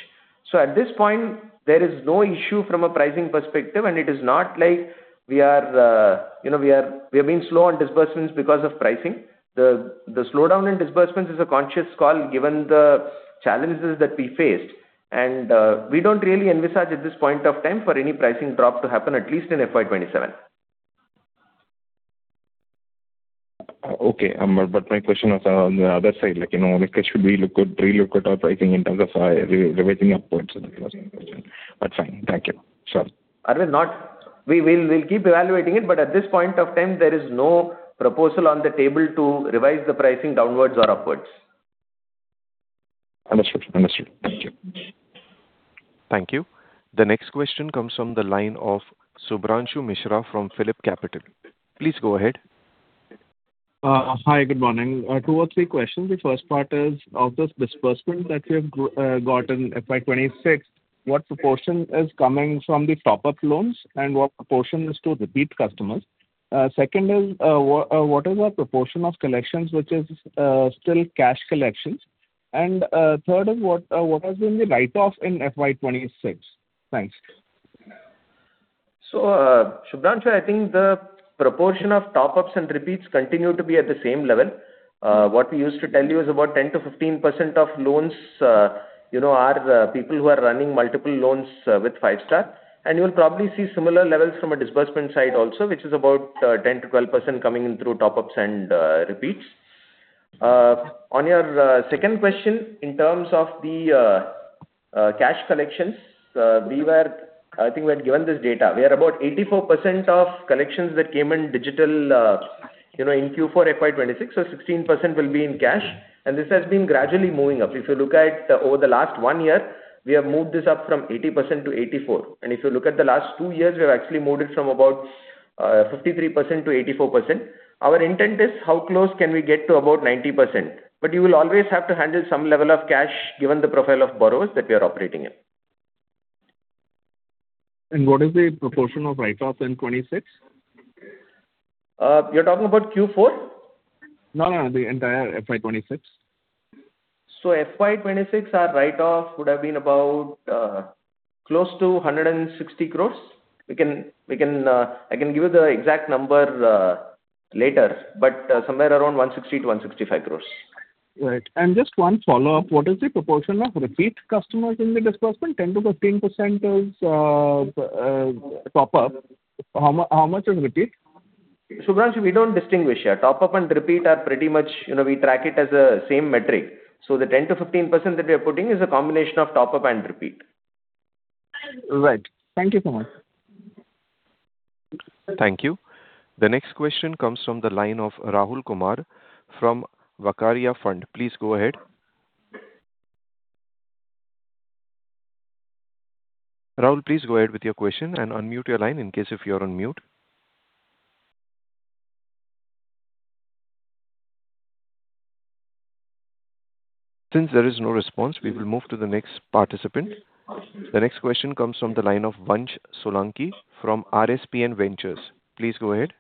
At this point, there is no issue from a pricing perspective, and it is not like we are, you know, we are being slow on disbursements because of pricing. The slowdown in disbursements is a conscious call given the challenges that we faced. We don't really envisage at this point of time for any pricing drop to happen, at least in FY 2027. Okay. My question was, on the other side, you know, like should we look at, relook at our pricing in terms of revising upwards? That was my question. Fine. Thank you. Sure. Aravind, We'll keep evaluating it, but at this point of time, there is no proposal on the table to revise the pricing downwards or upwards. Understood. Thank you. Thank you. The next question comes from the line of Shubhranshu Mishra from PhillipCapital. Please go ahead. Hi. Good morning. Two or three questions. The first part is, of the disbursement that you have got in FY 2026, what proportion is coming from the top-up loans, and what proportion is to repeat customers? Second is, what is the proportion of collections which is still cash collections? Third is what has been the write-off in FY 2026? Thanks. Shubhranshu, I think the proportion of top-ups and repeats continue to be at the same level. What we used to tell you is about 10%-15% of loans, you know, are people who are running multiple loans with Five-Star. You'll probably see similar levels from a disbursement side also, which is about 10%-12% coming in through top-ups and repeats. On your second question, in terms of the cash collections, I think we had given this data. We are about 84% of collections that came in digital, you know, in Q4 FY 2026, so 16% will be in cash. This has been gradually moving up. If you look at over the last one year, we have moved this up from 80% to 84%. If you look at the last two years, we've actually moved it from about, 53% to 84%. Our intent is how close can we get to about 90%. You will always have to handle some level of cash given the profile of borrowers that we are operating in. What is the proportion of write-offs in 2026? You're talking about Q4? No, no. The entire FY 2026. FY 2026, our write-off would have been about close to 160 crore. I can give you the exact number later, but somewhere around 160 crore-165 crore. Right. Just one follow-up. What is the proportion of repeat customers in the disbursement? 10%-15% is top-up. How much is repeat? Shubhranshu, we don't distinguish. Yeah, top-up and repeat are pretty much, you know, we track it as a same metric. The 10%-15% that we are putting is a combination of top-up and repeat. Right. Thank you so much. Thank you. The next question comes from the line of Rahul Kumar from Vakaria Fund. Please go ahead. Rahul, please go ahead with your question and unmute your line in case if you're on mute. Since there is no response, we will move to the next participant. The next question comes from the line of Vansh Solanki from RSPN Ventures. Please go ahead.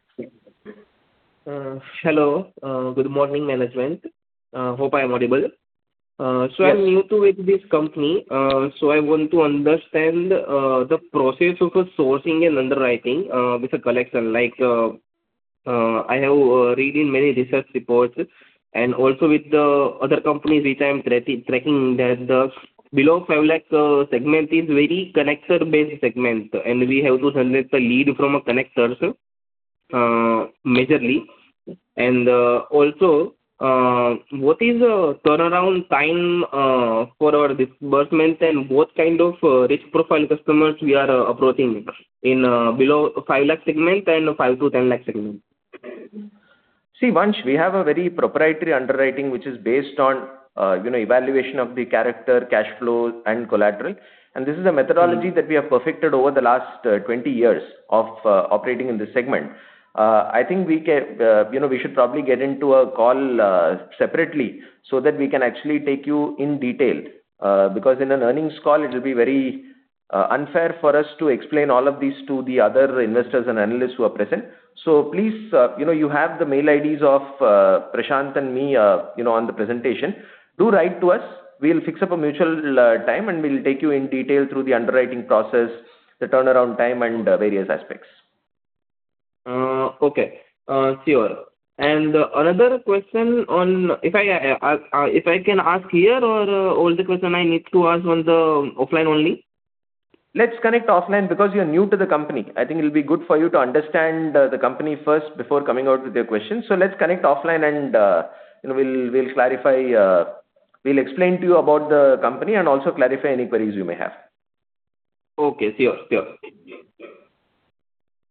hello. good morning, management. hope I am audible. Yes. I'm new to with this company, I want to understand the process of sourcing and underwriting with a collection. Like, I have read in many research reports and also with the other companies which I'm tracking that the below 5 lakh segment is very connector-based segment, and we have to submit a lead from a connector majorly. Also, what is turnaround time for our disbursement and what kind of risk profile customers we are approaching in below 5 lakh segment and 5-10 lakh segment? See, Vansh, we have a very proprietary underwriting which is based on, you know, evaluation of the character, cash flow and collateral. This is a methodology. That we have perfected over the last 20 years of operating in this segment. I think we can, you know, we should probably get into a call separately so that we can actually take you in detail. Because in an earnings call, it will be very unfair for us to explain all of these to the other investors and analysts who are present. Please, you know, you have the mail IDs of Prashant and me, you know, on the presentation. Do write to us. We'll fix up a mutual time, and we'll take you in detail through the underwriting process, the turnaround time and various aspects. Okay. Sure. Another question. If I can ask here or all the question I need to ask on the offline only? Let's connect offline because you're new to the company. I think it'll be good for you to understand the company first before coming out with your questions. Let's connect offline and we'll clarify. We'll explain to you about the company and also clarify any queries you may have. Okay. Sure. Sure.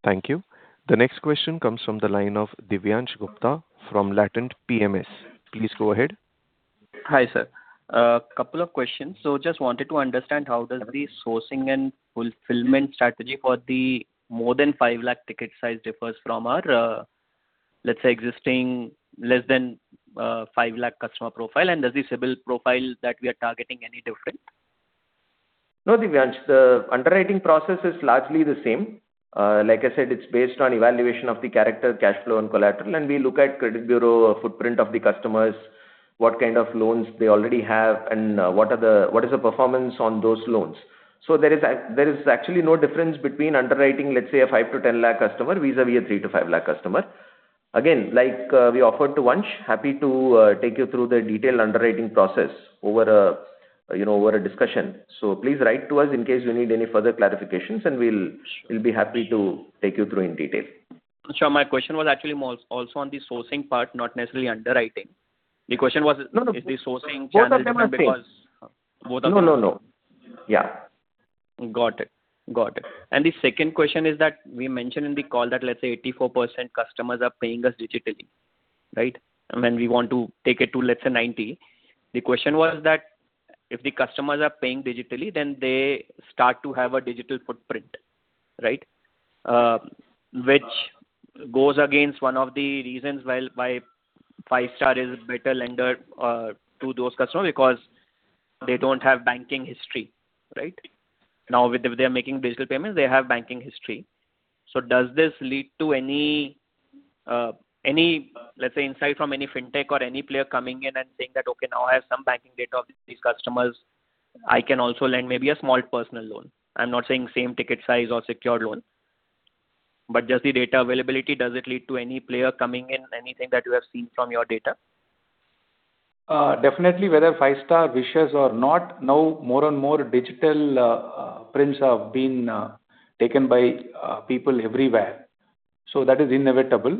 Thank you. The next question comes from the line of Divyansh Gupta from Latent PMS. Please go ahead. Hi, sir. Couple of questions. Just wanted to understand how does the sourcing and fulfillment strategy for the more than 5 lakh ticket size differs from our, let's say, existing less than 5 lakh customer profile? Does the CIBIL profile that we are targeting any different? No, Divyansh. The underwriting process is largely the same. Like I said, it's based on evaluation of the character, cash flow and collateral, and we look at credit bureau footprint of the customers, what kind of loans they already have, and what is the performance on those loans. There is actually no difference between underwriting, let's say, a 5 lakh-10 lakh customer vis-a-vis a 3 lakh-5 lakh customer. Again, like, we offered to Vansh, happy to take you through the detailed underwriting process over a, you know, over a discussion. Please write to us in case you need any further clarifications, and we'll be happy to take you through in detail. Sure. My question was actually also on the sourcing part, not necessarily underwriting. No, no.... is the sourcing challenges. Both of them are same. Both of them? No, no. Yeah. Got it. Got it. The second question is that we mentioned in the call that, let's say, 84% customers are paying us digitally, right? When we want to take it to, let's say, 90. The question was that if the customers are paying digitally, then they start to have a digital footprint, right? Which goes against one of the reasons why Five-Star is a better lender to those customers because they don't have banking history, right? Now, with if they are making digital payments, they have banking history. Does this lead to any, let's say, insight from any fintech or any player coming in and saying that, "Okay, now I have some banking data of these customers. I can also lend maybe a small personal loan." I'm not saying same ticket size or secured loan. Just the data availability, does it lead to any player coming in? Anything that you have seen from your data? Definitely whether Five-Star wishes or not, now more and more digital prints are being taken by people everywhere. That is inevitable.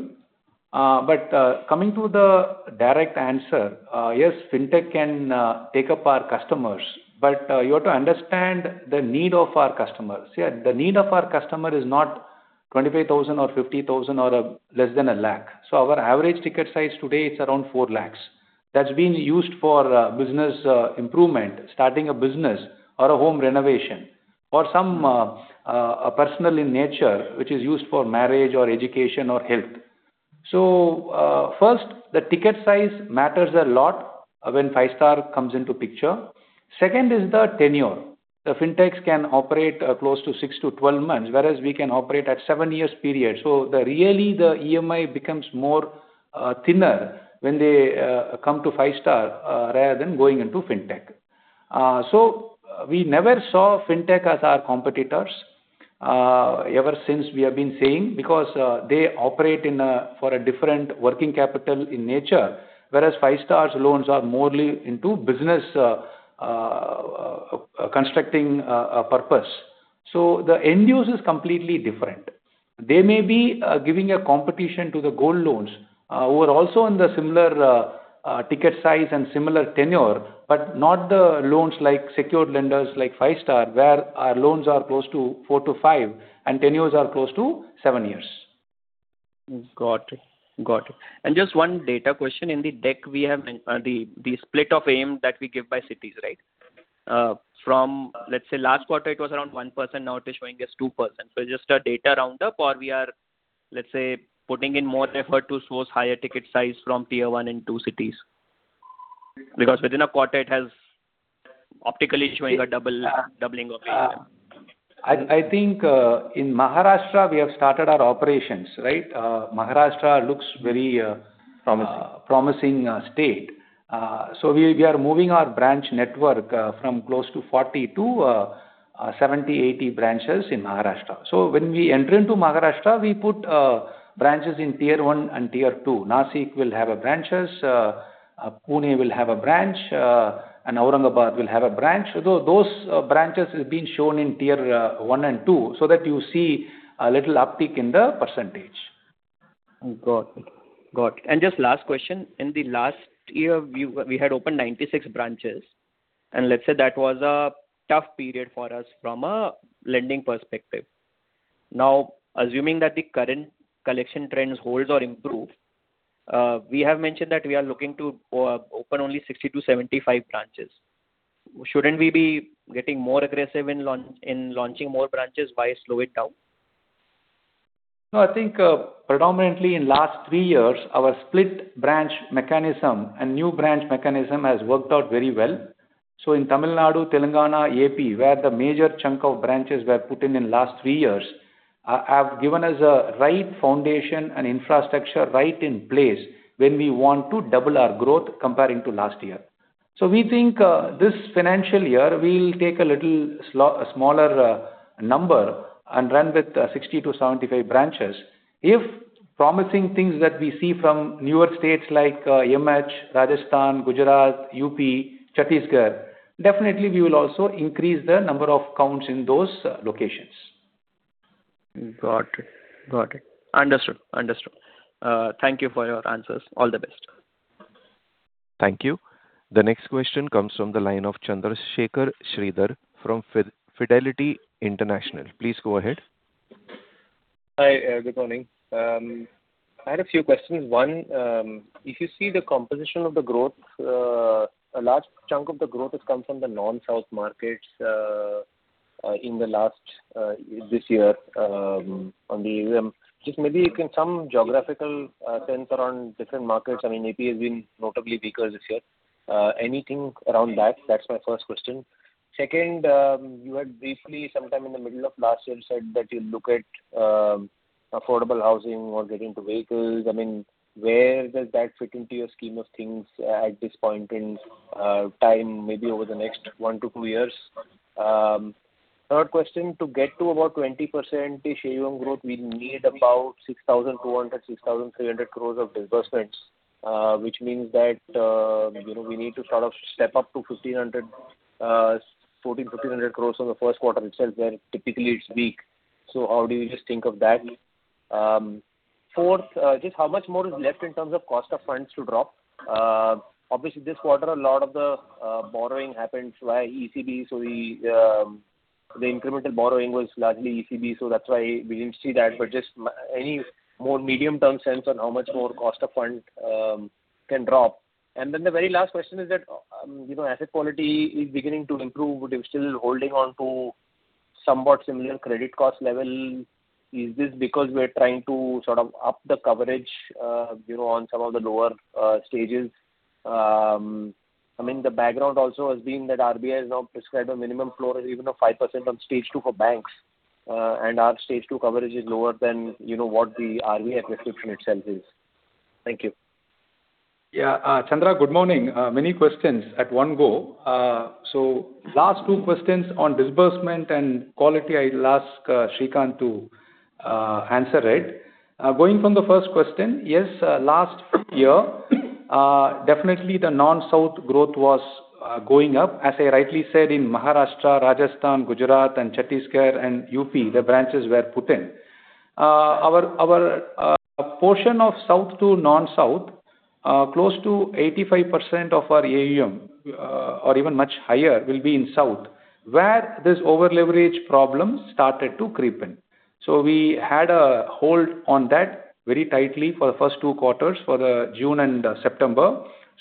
Coming to the direct answer, yes, Fintech can take up our customers, but you have to understand the need of our customers. Yeah, the need of our customer is not 25,000 or 50,000 or less than 1 lakh. Our average ticket size today, it's around 4 lakh. That's being used for business improvement, starting a business or a home renovation, or some personal in nature, which is used for marriage or education or health. First, the ticket size matters a lot when Five-Star comes into picture. Second is the tenure. The fintechs can operate close to 6 to 12 months, whereas we can operate at seven years period. The really the EMI becomes more thinner when they come to Five-Star rather than going into fintech. We never saw fintech as our competitors. Ever since we have been saying because they operate in a, for a different working capital in nature, whereas Five-Star's loans are more into business constructing purpose. The end use is completely different. They may be giving a competition to the gold loans, who are also in the similar ticket size and similar tenure, but not the loans like secured lenders like Five-Star, where our loans are close to 4 to 5 and tenures are close to seven years. Got it. Got it. Just one data question. In the Deck, we have the split of AUM that we give by cities, right? From, let's say last quarter it was around 1%, now it is showing as 2%. Just a data roundup or we are, let's say, putting in more effort to source higher ticket size from Tier 1 and 2 cities. Within a quarter it has optically showing a doubling. I think, in Maharashtra we have started our operations, right? Maharashtra looks very. Promising... promising state. We are moving our branch network from close to 40 to 70, 80 branches in Maharashtra. When we enter into Maharashtra, we put branches in Tier 1 and Tier 2. Nashik will have a branches, Pune will have a branch, and Aurangabad will have a branch. Those branches have been shown in Tier 1 and 2, so that you see a little uptick in the percentage. Got it. Got it. Just last question. In the last year, we had opened 96 branches, and let's say that was a tough period for us from a lending perspective. Assuming that the current collection trends holds or improve, we have mentioned that we are looking to open only 60 to 75 branches. Shouldn't we be getting more aggressive in launching more branches? Why slow it down? No, I think, predominantly in last three years, our split branch mechanism and new branch mechanism has worked out very well. In Tamil Nadu, Telangana, A.P., where the major chunk of branches were put in in last three years, have given us a right foundation and infrastructure right in place when we want to double our growth comparing to last year. We think, this financial year we will take a little smaller number and run with 60 to 75 branches. If promising things that we see from newer states like M.H., Rajasthan, Gujarat, U.P., Chhattisgarh, definitely we will also increase the number of counts in those locations. Got it. Got it. Understood. Understood. Thank you for your answers. All the best. Thank you. The next question comes from the line of Chandrasekhar Sridhar from Fidelity International. Please go ahead. Hi, good morning. I had a few questions. One, if you see the composition of the growth, a large chunk of the growth has come from the non-South markets, in the last, this year, on the AUM. Just maybe you can some geographical sense around different markets. I mean, AP has been notably weaker this year. Anything around that? That's my first question. Second, you had briefly sometime in the middle of last year said that you look at, affordable housing or getting to vehicles. I mean, where does that fit into your scheme of things at this point in time, maybe over the next 1-2 years? Third question, to get to about 20% AUM growth, we need about 6,200-6,300 crore of disbursements, which means that we need to sort of step up to 1,500, 1,400-1,500 crore on the first quarter itself, where typically it's weak. How do you just think of that? Fourth, just how much more is left in terms of cost of funds to drop? Obviously this quarter a lot of the borrowing happened via ECB, so the incremental borrowing was largely ECB, so that's why we didn't see that. Just any more medium-term sense on how much more cost of fund can drop. The very last question is that asset quality is beginning to improve. You're still holding on to somewhat similar credit cost level. Is this because we are trying to sort of up the coverage, you know, on some of the lower stages? I mean, the background also has been that RBI has now prescribed a minimum floor of even a 5% on Stage 2 for banks, and our Stage 2 coverage is lower than, you know, what the RBI prescription itself is. Thank you. Yeah. Chandra, good morning. Many questions at one go. Last two questions on disbursement and quality, I'll ask Srikanth to answer it. Going from the first question, yes, last year, definitely the non-South growth was going up. As I rightly said, in Maharashtra, Rajasthan, Gujarat and Chhattisgarh and UP, the branches were put in. Our portion of South to non-South, close to 85% of our AUM, or even much higher, will be in South, where this over-leverage problem started to creep in. We had a hold on that very tightly for the first two quarters, for the June and September.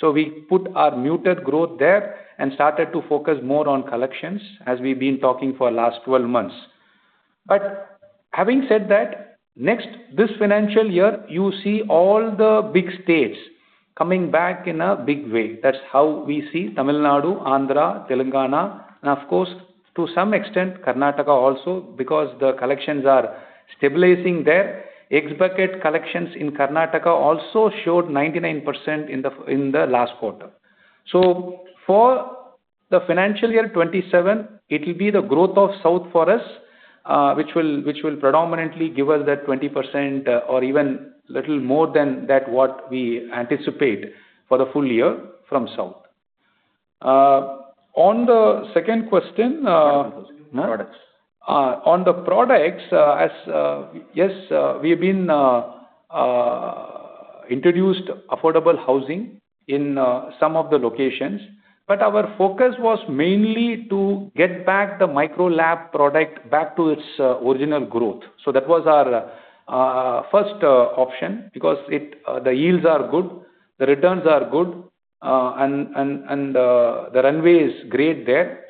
We put our muted growth there and started to focus more on collections, as we've been talking for last 12 months. Having said that, next, this financial year, you see all the big states coming back in a big way. That's how we see Tamil Nadu, Andhra, Telangana, and of course, to some extent Karnataka also, because the collections are stabilizing there. X-bucket collections in Karnataka also showed 99% in the last quarter. For the FY 2027, it'll be the growth of South for us, which will predominantly give us that 20% or even little more than that what we anticipate for the full year from South. On the second question. Second question, products. On the products, as, yes, we have been introduced affordable housing in some of the locations, but our focus was mainly to get back the micro LAP product back to its original growth. That was our first option because the yields are good, the returns are good, and the runway is great there.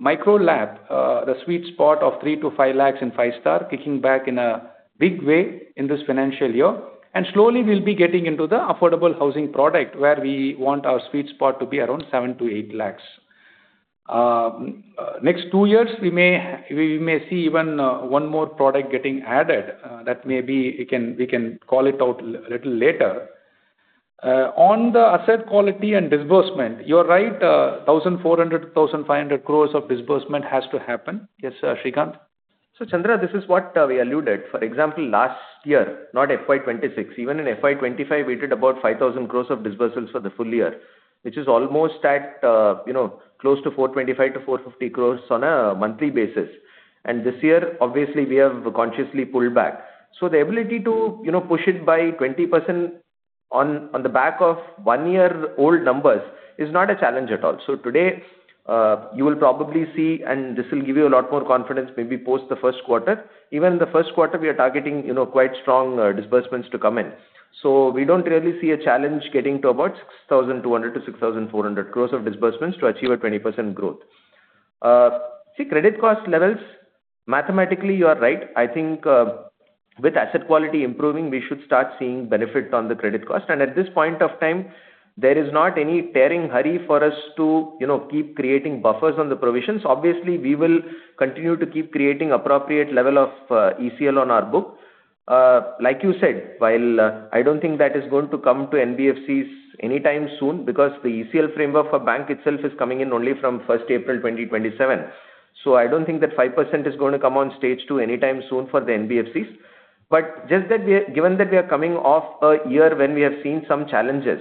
We will see micro LAP, the sweet spot of 3 lakh-5 lakh in Five-Star kicking back in a big way in this financial year. Slowly we'll be getting into the affordable housing product where we want our sweet spot to be around 7 lakh-8 lakh. Next two years we may see even one more product getting added, that maybe we can call it out little later. On the asset quality and disbursement, you're right, 1,400 crore-1,500 crore of disbursement has to happen. Yes, Srikanth. Chandra, this is what we alluded. For example, last year, not FY 2026, even in FY 2025, we did about 5,000 crore of disbursements for the full year, which is almost at close to 425 crore-450 crore on a monthly basis. This year, obviously we have consciously pulled back. The ability to push it by 20% on the back of one-year-old numbers is not a challenge at all. Today, you will probably see, and this will give you a lot more confidence maybe post the first quarter. Even the first quarter, we are targeting quite strong disbursements to come in. We don't really see a challenge getting to about 6,200 crore-6,400 crore of disbursements to achieve a 20% growth. See, credit cost levels, mathematically you are right. I think, with asset quality improving, we should start seeing benefit on the credit cost. At this point of time, there is not any tearing hurry for us to, you know, keep creating buffers on the provisions. Obviously, we will continue to keep creating appropriate level of ECL on our book. Like you said, while, I don't think that is going to come to NBFCs anytime soon because the ECL framework for bank itself is coming in only from 1st April 2027. I don't think that 5% is going to come on Stage 2 anytime soon for the NBFCs. Just that we are given that we are coming off a year when we have seen some challenges,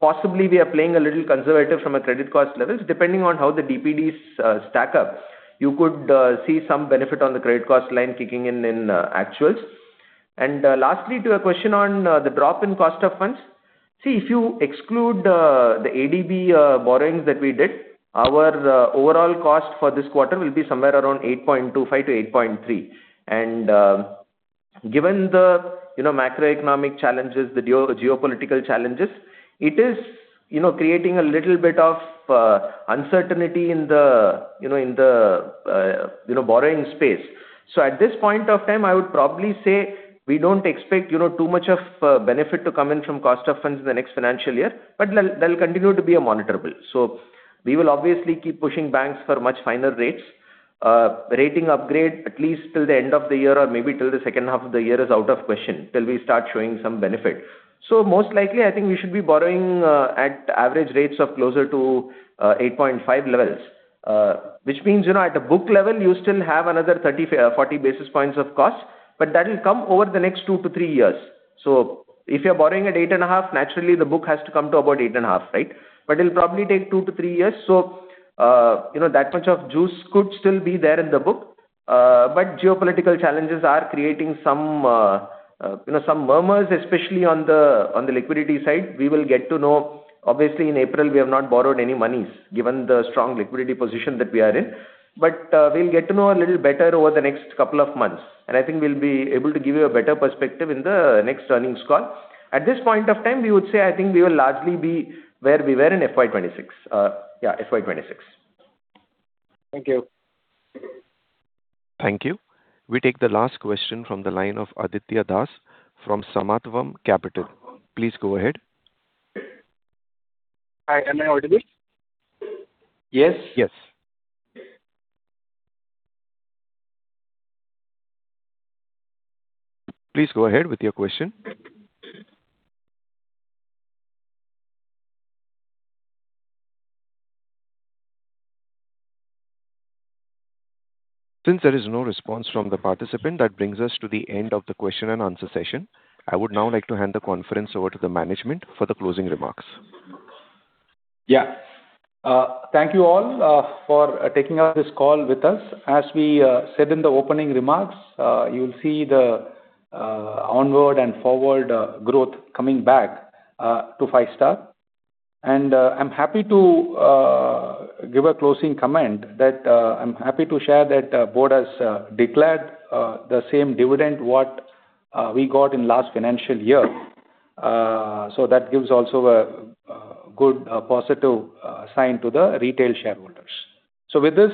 possibly we are playing a little conservative from a credit cost levels. Depending on how the DPDs stack up, you could see some benefit on the credit cost line kicking in in actuals. Lastly, to your question on the drop in cost of funds. See, if you exclude the ADB borrowings that we did, our overall cost for this quarter will be somewhere around 8.25%-8.3%. Given the, you know, macroeconomic challenges, the geopolitical challenges, it is, you know, creating a little bit of uncertainty in the, you know, in the, you know, borrowing space. At this point of time, I would probably say we don't expect, you know, too much of benefit to come in from cost of funds in the next financial year, but they'll continue to be a monitorable. We will obviously keep pushing banks for much finer rates. Rating upgrade at least till the end of the year or maybe till the second half of the year is out of question till we start showing some benefit. Most likely, I think we should be borrowing at average rates of closer to 8.5 levels. Which means, you know, at a book level, you still have another 30, 40 basis points of cost, but that'll come over the next 2-3 years. If you're borrowing at 8.5, naturally the book has to come to about 8.5, right? But it'll probably take 2-3 years. You know, that much of juice could still be there in the book. Geopolitical challenges are creating some, you know, some murmurs, especially on the liquidity side. We will get to know. Obviously, in April, we have not borrowed any monies, given the strong liquidity position that we are in. We'll get to know a little better over the next couple of months, and I think we'll be able to give you a better perspective in the next earnings call. At this point of time, we would say, I think we will largely be where we were in FY 2026. Yeah, FY 2026. Thank you. Thank you. We take the last question from the line of Aditya Das from Samatvam Capital. Please go ahead. Hi, am I audible? Yes. Yes. Please go ahead with your question. Since there is no response from the participant, that brings us to the end of the question and answer session. I would now like to hand the conference over to the management for the closing remarks. Yeah. Thank you all for taking this call with us. As we said in the opening remarks, you'll see the onward and forward growth coming back to Five-Star. I'm happy to give a closing comment that I'm happy to share that board has declared the same dividend what we got in last financial year. That gives also a good positive sign to the retail shareholders. With this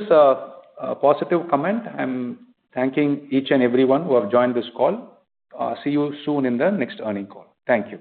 positive comment, I'm thanking each and everyone who have joined this call. See you soon in the next earnings call. Thank you.